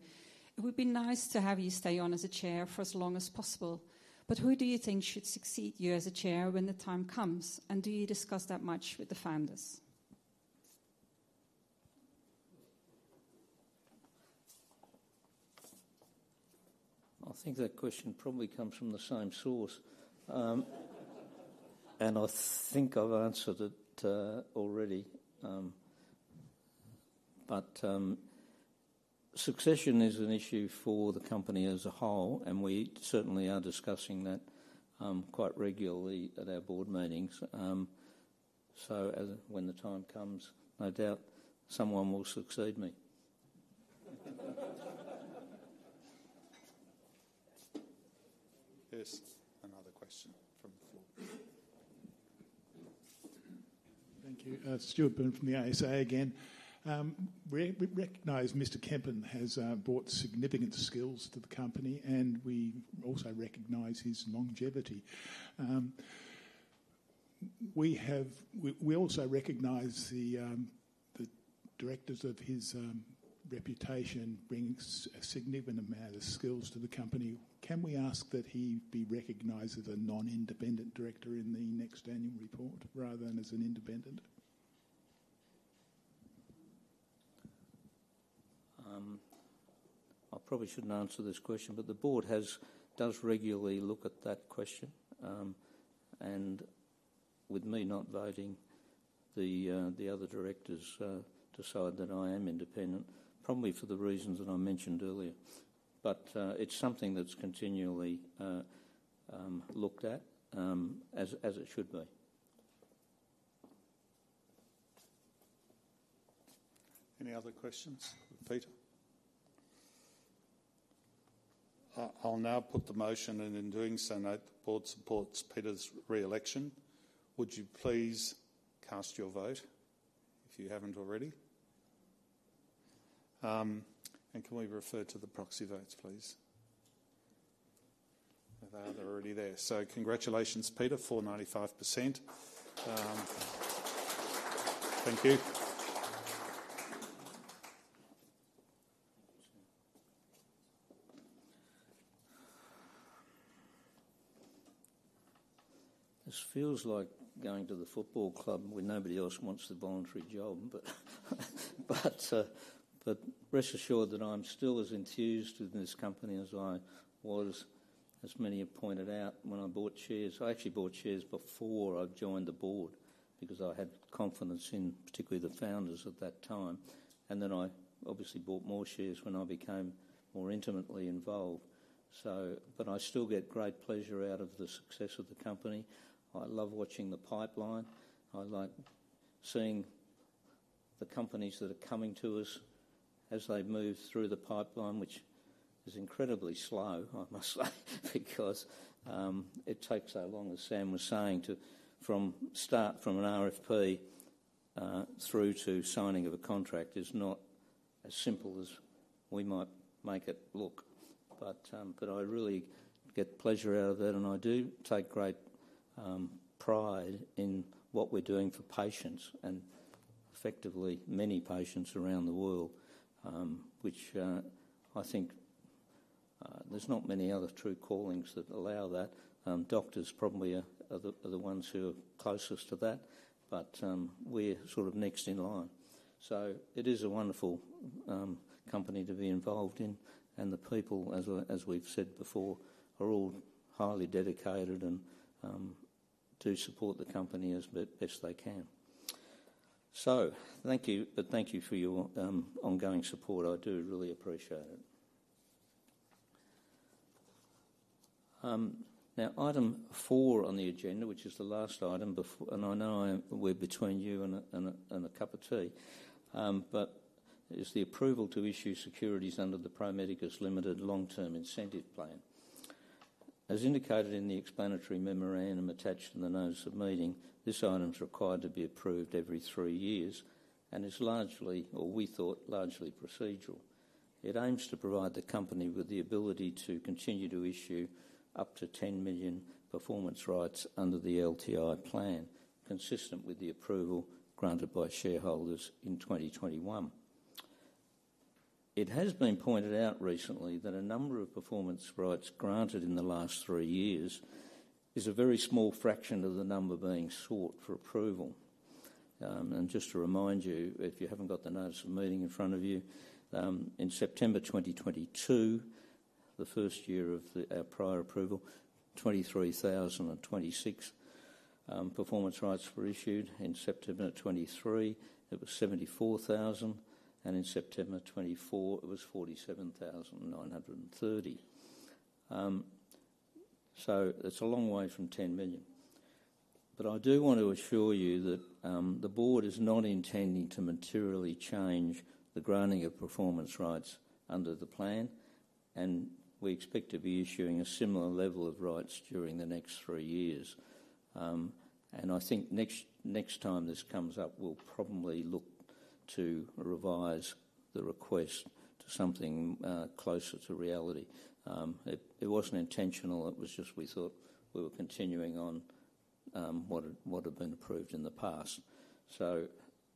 It would be nice to have you stay on as a chair for as long as possible. But who do you think should succeed you as a chair when the time comes? And do you discuss that much with the founders? I think that question probably comes from the same source, and I think I've answered it already. But succession is an issue for the company as a whole, and we certainly are discussing that quite regularly at our board meetings. So when the time comes, no doubt someone will succeed me. There's another question from the floor. Thank you. Stuart Byrne from the ASA again. We recognize Mr. Kempen has brought significant skills to the company, and we also recognize his longevity. We also recognize the director's high reputation brings a significant amount of skills to the company. Can we ask that he be recognized as a non-independent director in the next annual report rather than as an independent? I probably shouldn't answer this question, but the board does regularly look at that question. And with me not voting, the other directors decide that I am independent, probably for the reasons that I mentioned earlier. But it's something that's continually looked at, as it should be. Any other questions? Peter? I'll now put the motion, and in doing so, note the board supports Peter's re-election. Would you please cast your vote if you haven't already? And can we refer to the proxy votes, please? They are already there. So congratulations, Peter, 495%. Thank you. This feels like going to the football club where nobody else wants the voluntary job, but rest assured that I'm still as enthused with this company as I was, as many have pointed out, when I bought shares. I actually bought shares before I joined the board because I had confidence in particularly the founders at that time, and then I obviously bought more shares when I became more intimately involved, but I still get great pleasure out of the success of the company. I love watching the pipeline. I like seeing the companies that are coming to us as they move through the pipeline, which is incredibly slow, I must say, because it takes so long, as Sam was saying, from an RFP through to signing of a contract is not as simple as we might make it look. But I really get pleasure out of it, and I do take great pride in what we're doing for patients and effectively many patients around the world, which I think there's not many other true callings that allow that. Doctors probably are the ones who are closest to that, but we're sort of next in line. So it is a wonderful company to be involved in, and the people, as we've said before, are all highly dedicated and do support the company as best they can. So thank you, but thank you for your ongoing support. I do really appreciate it. Now, item four on the agenda, which is the last item, and I know we're between you and a cup of tea, but is the approval to issue securities under the Pro Medicus Limited Long-Term Incentive Plan. As indicated in the explanatory memorandum attached in the notice of meeting, this item is required to be approved every three years, and it's largely, or we thought, largely procedural. It aims to provide the company with the ability to continue to issue up to 10 million performance rights under the LTI plan, consistent with the approval granted by shareholders in 2021. It has been pointed out recently that a number of performance rights granted in the last three years is a very small fraction of the number being sought for approval. Just to remind you, if you haven't got the notice of meeting in front of you, in September 2022, the first year of our prior approval, 23,026 performance rights were issued. In September 2023, it was 74,000, and in September 2024, it was 47,930. It's a long way from 10 million. But I do want to assure you that the board is not intending to materially change the granting of performance rights under the plan, and we expect to be issuing a similar level of rights during the next three years. And I think next time this comes up, we'll probably look to revise the request to something closer to reality. It wasn't intentional. It was just we thought we were continuing on what had been approved in the past. So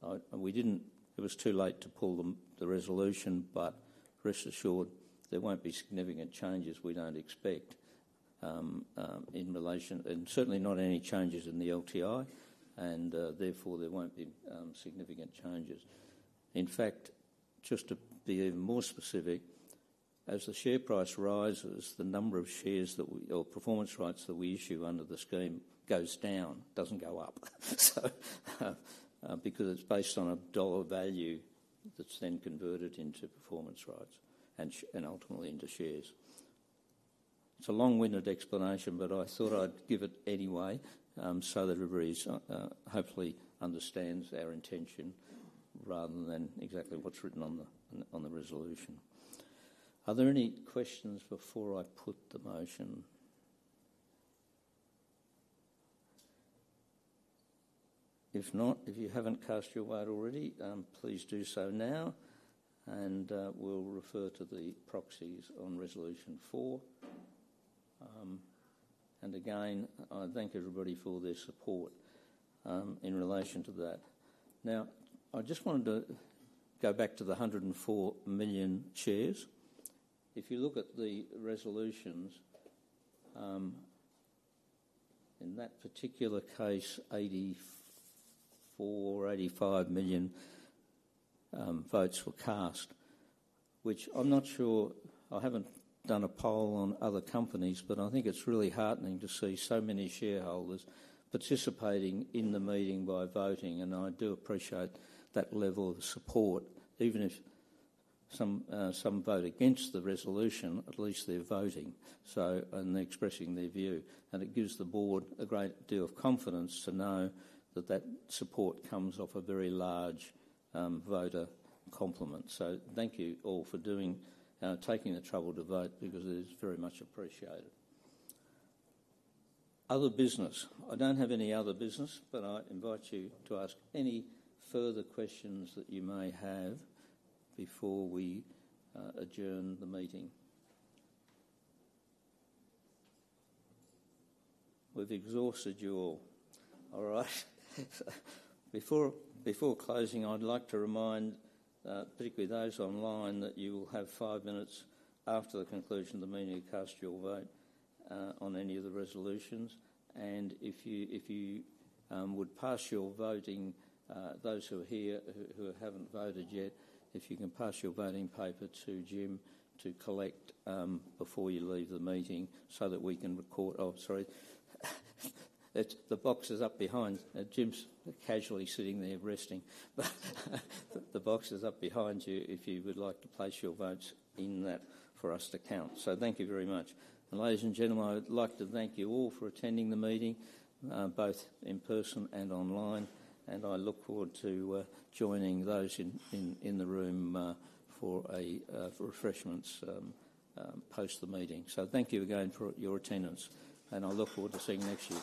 it was too late to pull the resolution, but rest assured there won't be significant changes we don't expect in relation, and certainly not any changes in the LTI, and therefore there won't be significant changes. In fact, just to be even more specific, as the share price rises, the number of shares or performance rights that we issue under the scheme goes down, doesn't go up, because it's based on a dollar value that's then converted into performance rights and ultimately into shares. It's a long-winded explanation, but I thought I'd give it anyway so that everybody hopefully understands our intention rather than exactly what's written on the resolution. Are there any questions before I put the motion? If not, if you haven't cast your vote already, please do so now, and we'll refer to the proxies on resolution four. And again, I thank everybody for their support in relation to that. Now, I just wanted to go back to the 104 million shares. If you look at the resolutions, in that particular case, 84 or 85 million votes were cast, which I'm not sure I haven't done a poll on other companies, but I think it's really heartening to see so many shareholders participating in the meeting by voting, and I do appreciate that level of support. Even if some vote against the resolution, at least they're voting and expressing their view, and it gives the board a great deal of confidence to know that that support comes off a very large voter complement. So thank you all for taking the trouble to vote because it is very much appreciated. Other business. I don't have any other business, but I invite you to ask any further questions that you may have before we adjourn the meeting. We've exhausted you all. All right. Before closing, I'd like to remind particularly those online that you will have five minutes after the conclusion of the meeting to cast your vote on any of the resolutions. And if you would pass your voting, those who are here who haven't voted yet, if you can pass your voting paper to Jim to collect before you leave the meeting so that we can record. Oh, sorry. The box is up behind. Jim's casually sitting there resting. The box is up behind you if you would like to place your votes in that for us to count. So thank you very much. And ladies and gentlemen, I'd like to thank you all for attending the meeting, both in person and online. And I look forward to joining those in the room for a refreshments post the meeting. Thank you again for your attendance, and I look forward to seeing you next year.